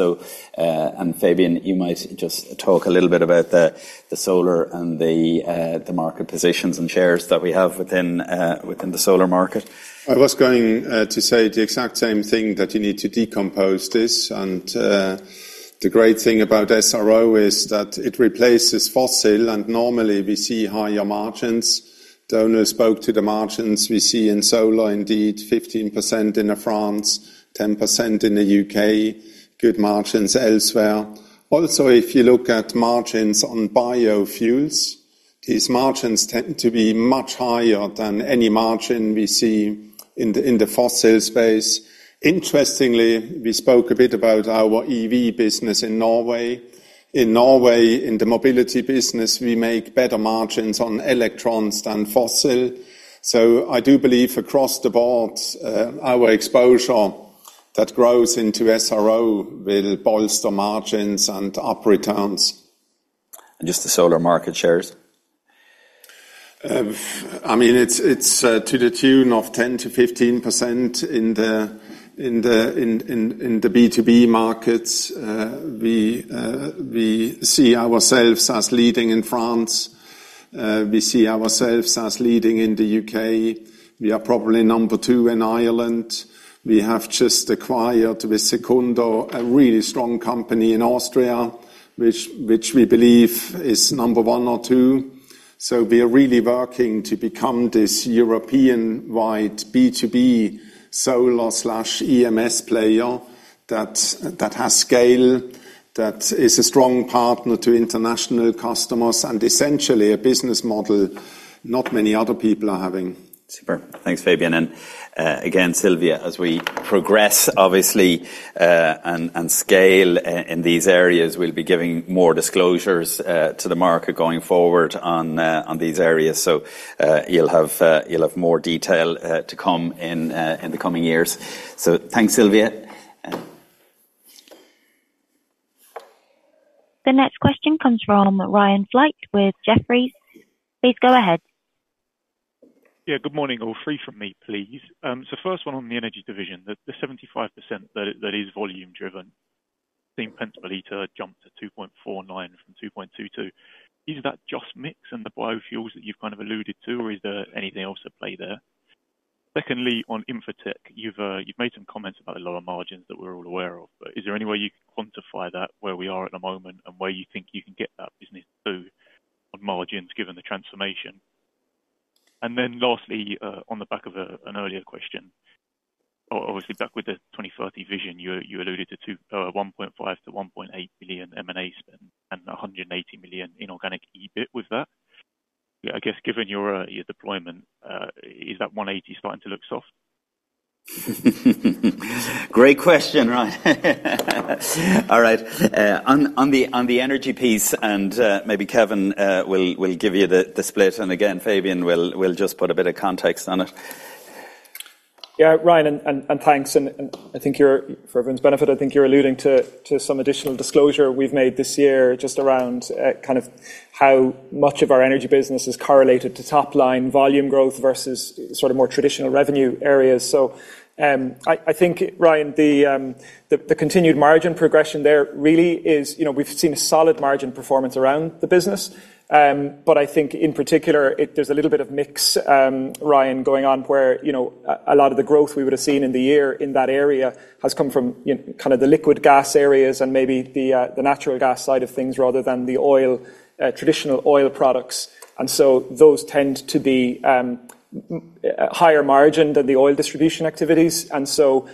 And Fabian, you might just talk a little bit about the solar and the market positions and shares that we have within the solar market. I was going to say the exact same thing that you need to decompose this. The great thing about SRO is that it replaces fossil. Normally, we see higher margins. Donal spoke to the margins we see in solar, indeed, 15% in France, 10% in the U.K., good margins elsewhere. Also, if you look at margins on biofuels, these margins tend to be much higher than any margin we see in the fossil space. Interestingly, we spoke a bit about our EV business in Norway. In Norway, in the mobility business, we make better margins on electrons than fossil. So I do believe across the board, our exposure that grows into SRO will bolster margins and up returns. Just the solar market shares? I mean, it's to the tune of 10%-15% in the B2B markets. We see ourselves as leading in France. We see ourselves as leading in the U.K. We are probably number two in Ireland. We have just acquired with Secundo a really strong company in Austria, which we believe is number one or two. So we are really working to become this European-wide B2B solar/EMS player that has scale, that is a strong partner to international customers, and essentially a business model not many other people are having. Super. Thanks, Fabian. Again, Sylvia, as we progress, obviously, and scale in these areas, we'll be giving more disclosures to the market going forward on these areas. You'll have more detail to come in the coming years. Thanks, Sylvia. The next question comes from Ryan Flight with Jefferies. Please go ahead. Yeah. Good morning. All three from me, please. So first one on the energy division, the 75% that is volume-driven, seeing petrol EBITDA jump to 2.49 from 2.22. Is that just mix and the biofuels that you've kind of alluded to, or is there anything else at play there? Secondly, on the tech, you've made some comments about the lower margins that we're all aware of. But is there any way you can quantify that where we are at the moment and where you think you can get that business to on margins given the transformation? And then lastly, on the back of an earlier question, obviously, back with the 2030 vision, you alluded to 1.5 billion-1.8 billion M&A spend and 180 million in organic EBIT with that. I guess given your deployment, is that 180 starting to look soft? Great question, Ryan. All right. On the energy piece, and maybe Kevin will give you the split. Again, Fabian will just put a bit of context on it. Yeah, Ryan. And thanks. And I think for everyone's benefit, I think you're alluding to some additional disclosure we've made this year just around kind of how much of our energy business is correlated to top-line volume growth versus sort of more traditional revenue areas. So I think, Ryan, the continued margin progression there really is we've seen a solid margin performance around the business. But I think in particular, there's a little bit of mix, Ryan, going on where a lot of the growth we would have seen in the year in that area has come from kind of the liquid gas areas and maybe the natural gas side of things rather than the traditional oil products. And so those tend to be higher margin than the oil distribution activities. And so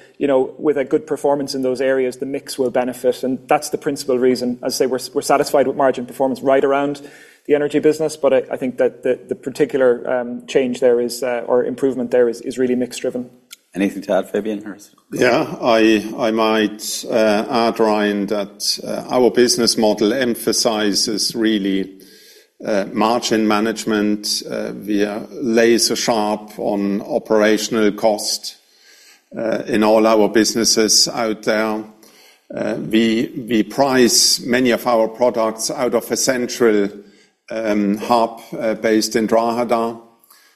with a good performance in those areas, the mix will benefit. And that's the principal reason. As I say, we're satisfied with margin performance right around the energy business. But I think that the particular change there or improvement there is really mix-driven. Anything to add, Fabian? Yeah. I might add, Ryan, that our business model emphasizes really margin management. We are laser-sharp on operational cost in all our businesses out there. We price many of our products out of a central hub based in Drogheda.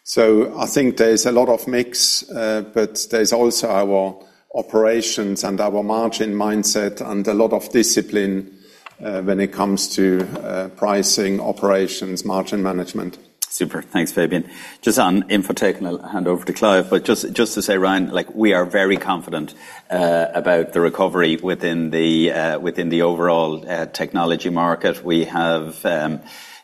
So I think there's a lot of mix. But there's also our operations and our margin mindset and a lot of discipline when it comes to pricing, operations, margin management. Super. Thanks, Fabian. Just on Info Tech, and I'll hand over to Clive. But just to say, Ryan, we are very confident about the recovery within the overall technology market.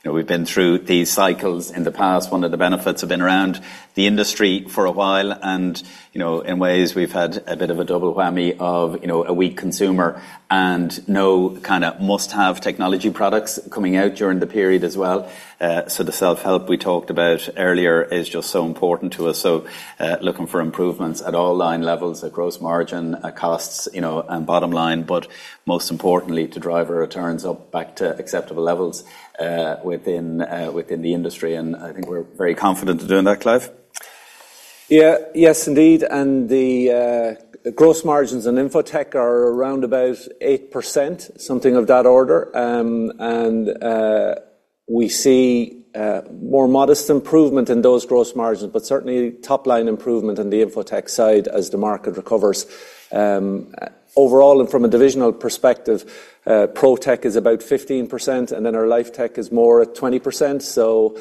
We've been through these cycles in the past. One of the benefits has been around the industry for a while. And in ways, we've had a bit of a double whammy of a weak consumer and no kind of must-have technology products coming out during the period as well. So the self-help we talked about earlier is just so important to us. So looking for improvements at all line levels, at gross margin, at costs, and bottom line, but most importantly, to drive our returns up back to acceptable levels within the industry. And I think we're very confident in doing that, Clive. Yeah. Yes, indeed. The gross margins in Info Tech are around about 8%, something of that order. We see more modest improvement in those gross margins, but certainly top-line improvement in the Info Tech side as the market recovers. Overall, and from a divisional perspective, Pro Tech is about 15%. Then our Life Tech is more at 20%. So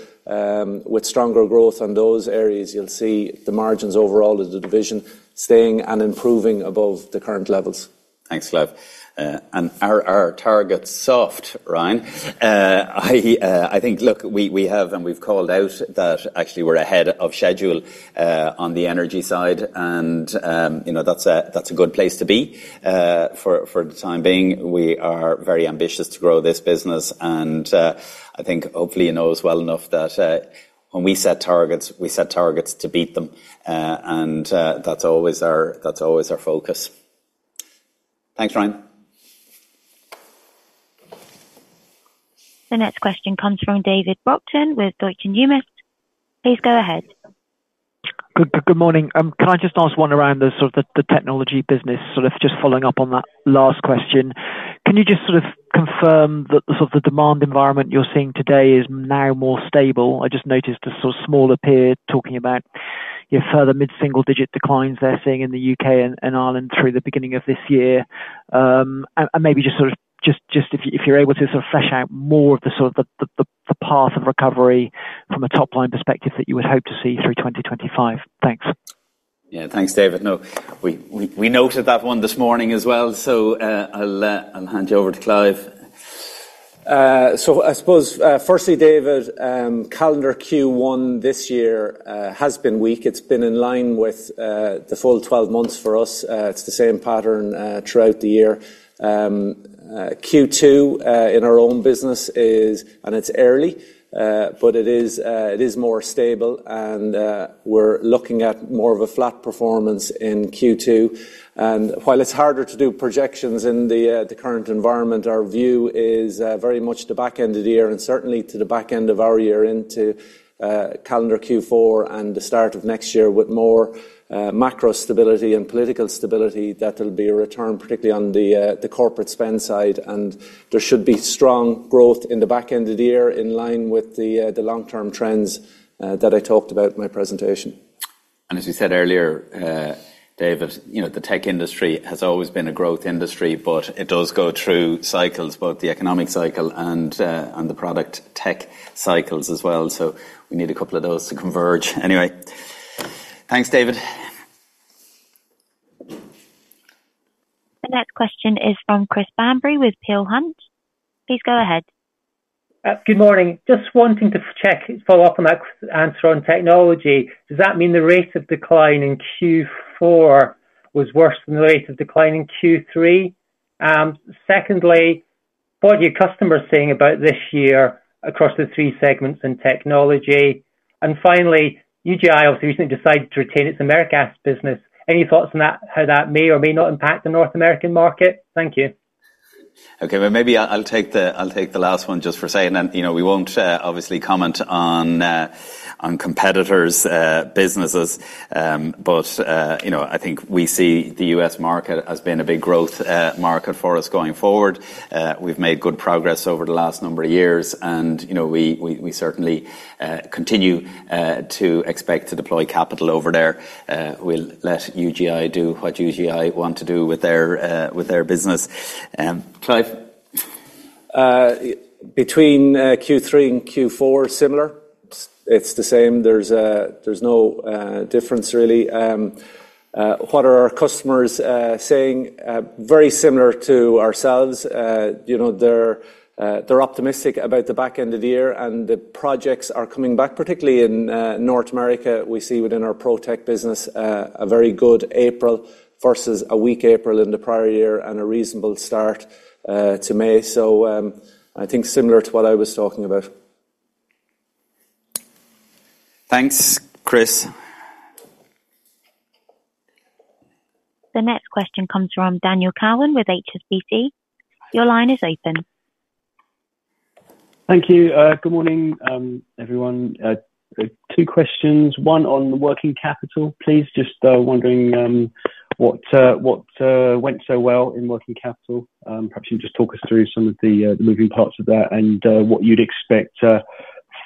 with stronger growth on those areas, you'll see the margins overall of the division staying and improving above the current levels. Thanks, Clive. And our target's soft, Ryan. I think, look, we have and we've called out that actually, we're ahead of schedule on the energy side. And that's a good place to be for the time being. We are very ambitious to grow this business. And I think, hopefully, you know as well enough that when we set targets, we set targets to beat them. And that's always our focus. Thanks, Ryan. The next question comes from David Brockton with Deutsche Numis. Please go ahead. Good morning. Can I just ask one around sort of the technology business, sort of just following up on that last question? Can you just sort of confirm that sort of the demand environment you're seeing today is now more stable? I just noticed a sort of smaller peer talking about further mid-single-digit declines they're seeing in the U.K. and Ireland through the beginning of this year. And maybe just sort of if you're able to sort of flesh out more of the sort of the path of recovery from a top-line perspective that you would hope to see through 2025? Thanks. Yeah. Thanks, David. No, we noted that one this morning as well. So I'll hand you over to Clive. So I suppose, firstly, David, calendar Q1 this year has been weak. It's been in line with the full 12 months for us. It's the same pattern throughout the year. Q2 in our own business is, and it's early. But it is more stable. And we're looking at more of a flat performance in Q2. And while it's harder to do projections in the current environment, our view is very much the back end of the year and certainly to the back end of our year into calendar Q4 and the start of next year with more macro stability and political stability, that there'll be a return, particularly on the corporate spend side. And there should be strong growth in the back end of the year in line with the long-term trends that I talked about in my presentation. As we said earlier, David, the tech industry has always been a growth industry. It does go through cycles, both the economic cycle and the product tech cycles as well. We need a couple of those to converge. Anyway, thanks, David. The next question is from Chris Bambury with Peel Hunt. Please go ahead. Good morning. Just wanting to check, follow up on that answer on technology. Does that mean the rate of decline in Q4 was worse than the rate of decline in Q3? Secondly, what are your customers saying about this year across the three segments in technology? And finally, UGI obviously recently decided to retain its AmeriGas business. Any thoughts on how that may or may not impact the North American market? Thank you. Okay. Well, maybe I'll take the last one just for saying. And we won't obviously comment on competitors' businesses. But I think we see the U.S. market as being a big growth market for us going forward. We've made good progress over the last number of years. And we certainly continue to expect to deploy capital over there. We'll let UGI do what UGI want to do with their business. Clive? Between Q3 and Q4, similar. It's the same. There's no difference, really. What are our customers saying? Very similar to ourselves. They're optimistic about the back end of the year. And the projects are coming back, particularly in North America. We see within our Pro Tech business a very good April versus a weak April in the prior year and a reasonable start to May. So I think similar to what I was talking about. Thanks, Chris. The next question comes from Daniel Cowan with HSBC. Your line is open. Thank you. Good morning, everyone. Two questions. One on the working capital, please. Just wondering what went so well in working capital. Perhaps you can just talk us through some of the moving parts of that and what you'd expect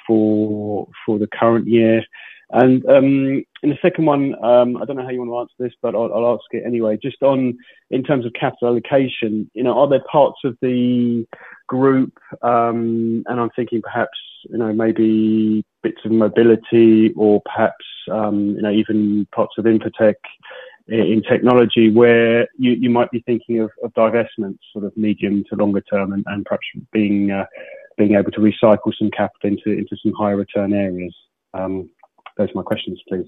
for the current year. And the second one, I don't know how you want to answer this, but I'll ask it anyway. Just in terms of capital allocation, are there parts of the group and I'm thinking perhaps maybe bits of mobility or perhaps even parts of Info Tech in technology where you might be thinking of divestments, sort of medium to longer term, and perhaps being able to recycle some capital into some higher-return areas? Those are my questions, please.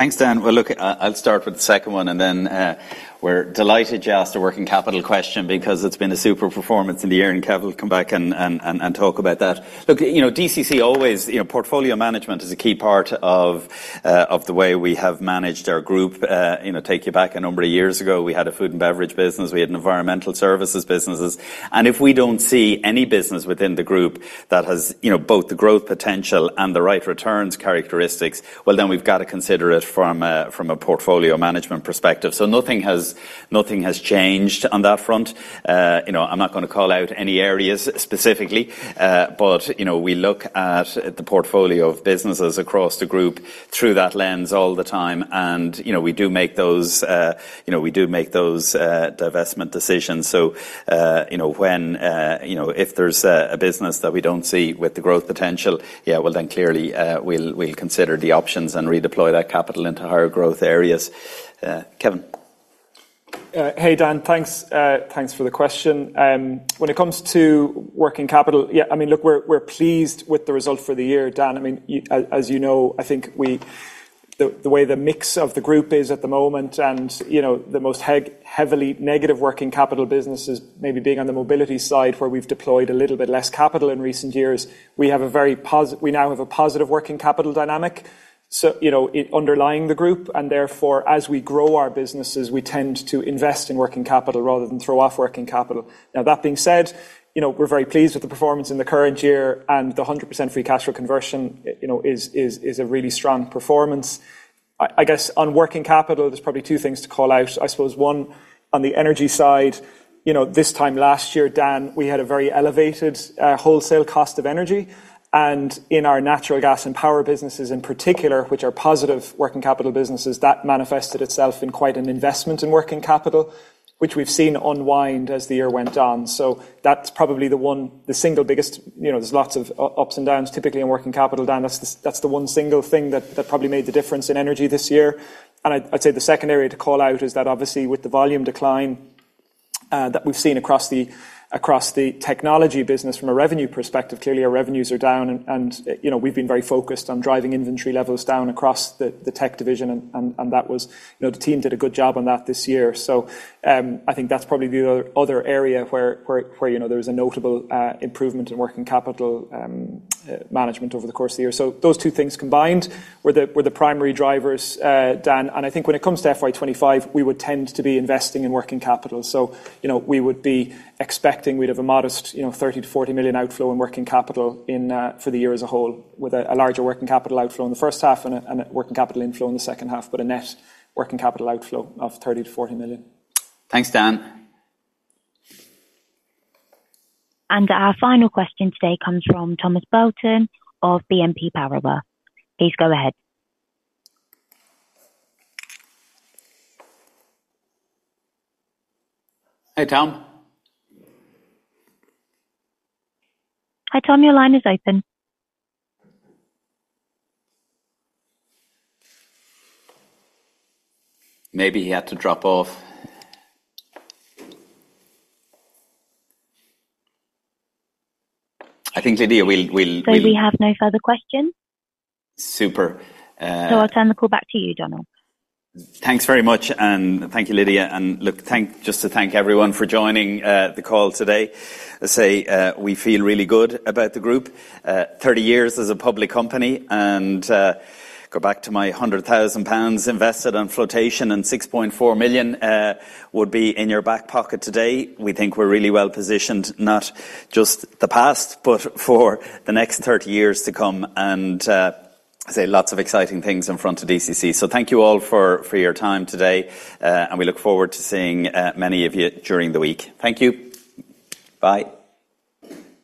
Thanks, Dan. Well, look, I'll start with the second one. And then we're delighted just a working capital question because it's been a super performance in the year. And Kevin will come back and talk about that. Look, DCC always portfolio management is a key part of the way we have managed our group. Take you back a number of years ago. We had a food and beverage business. We had an environmental services business. And if we don't see any business within the group that has both the growth potential and the right returns characteristics, well, then we've got to consider it from a portfolio management perspective. So nothing has changed on that front. I'm not going to call out any areas specifically. But we look at the portfolio of businesses across the group through that lens all the time. And we do make those divestment decisions. So if there's a business that we don't see with the growth potential, yeah, well, then clearly, we'll consider the options and redeploy that capital into higher growth areas. Kevin? Hey, Dan. Thanks for the question. When it comes to working capital, yeah, I mean, look, we're pleased with the result for the year, Dan. I mean, as you know, I think the way the mix of the group is at the moment and the most heavily negative working capital businesses, maybe being on the mobility side where we've deployed a little bit less capital in recent years, we now have a positive working capital dynamic underlying the group. And therefore, as we grow our businesses, we tend to invest in working capital rather than throw off working capital. Now, that being said, we're very pleased with the performance in the current year. And the 100% free cash flow conversion is a really strong performance. I guess on working capital, there's probably two things to call out. I suppose, one, on the energy side, this time last year, Dan, we had a very elevated wholesale cost of energy. In our natural gas and power businesses in particular, which are positive working capital businesses, that manifested itself in quite an investment in working capital, which we've seen unwind as the year went on. That's probably the single biggest. There's lots of ups and downs, typically, in working capital, Dan. That's the one single thing that probably made the difference in energy this year. I'd say the second area to call out is that obviously, with the volume decline that we've seen across the technology business from a revenue perspective, clearly, our revenues are down. We've been very focused on driving inventory levels down across the tech division. The team did a good job on that this year. I think that's probably the other area where there was a notable improvement in working capital management over the course of the year. Those two things combined were the primary drivers, Dan. I think when it comes to FY 2025, we would tend to be investing in working capital. We would be expecting we'd have a modest 30 million-40 million outflow in working capital for the year as a whole with a larger working capital outflow in the first half and a working capital inflow in the second half, but a net working capital outflow of 30 million-40 million. Thanks, Dan. Our final question today comes from Thomas Belton of BNP Paribas. Please go ahead. Hey, Tom. Hi, Tom. Your line is open. Maybe he had to drop off. I think, Lydia, we'll. So we have no further questions? Super. I'll turn the call back to you, Donal. Thanks very much. And thank you, Lydia. And look, just to thank everyone for joining the call today. I say we feel really good about the group. 30 years as a public company. And go back to my 100,000 pounds invested on flotation and 6.4 million would be in your back pocket today. We think we're really well positioned, not just the past, but for the next 30 years to come. And I say lots of exciting things in front of DCC. So thank you all for your time today. And we look forward to seeing many of you during the week. Thank you. Bye.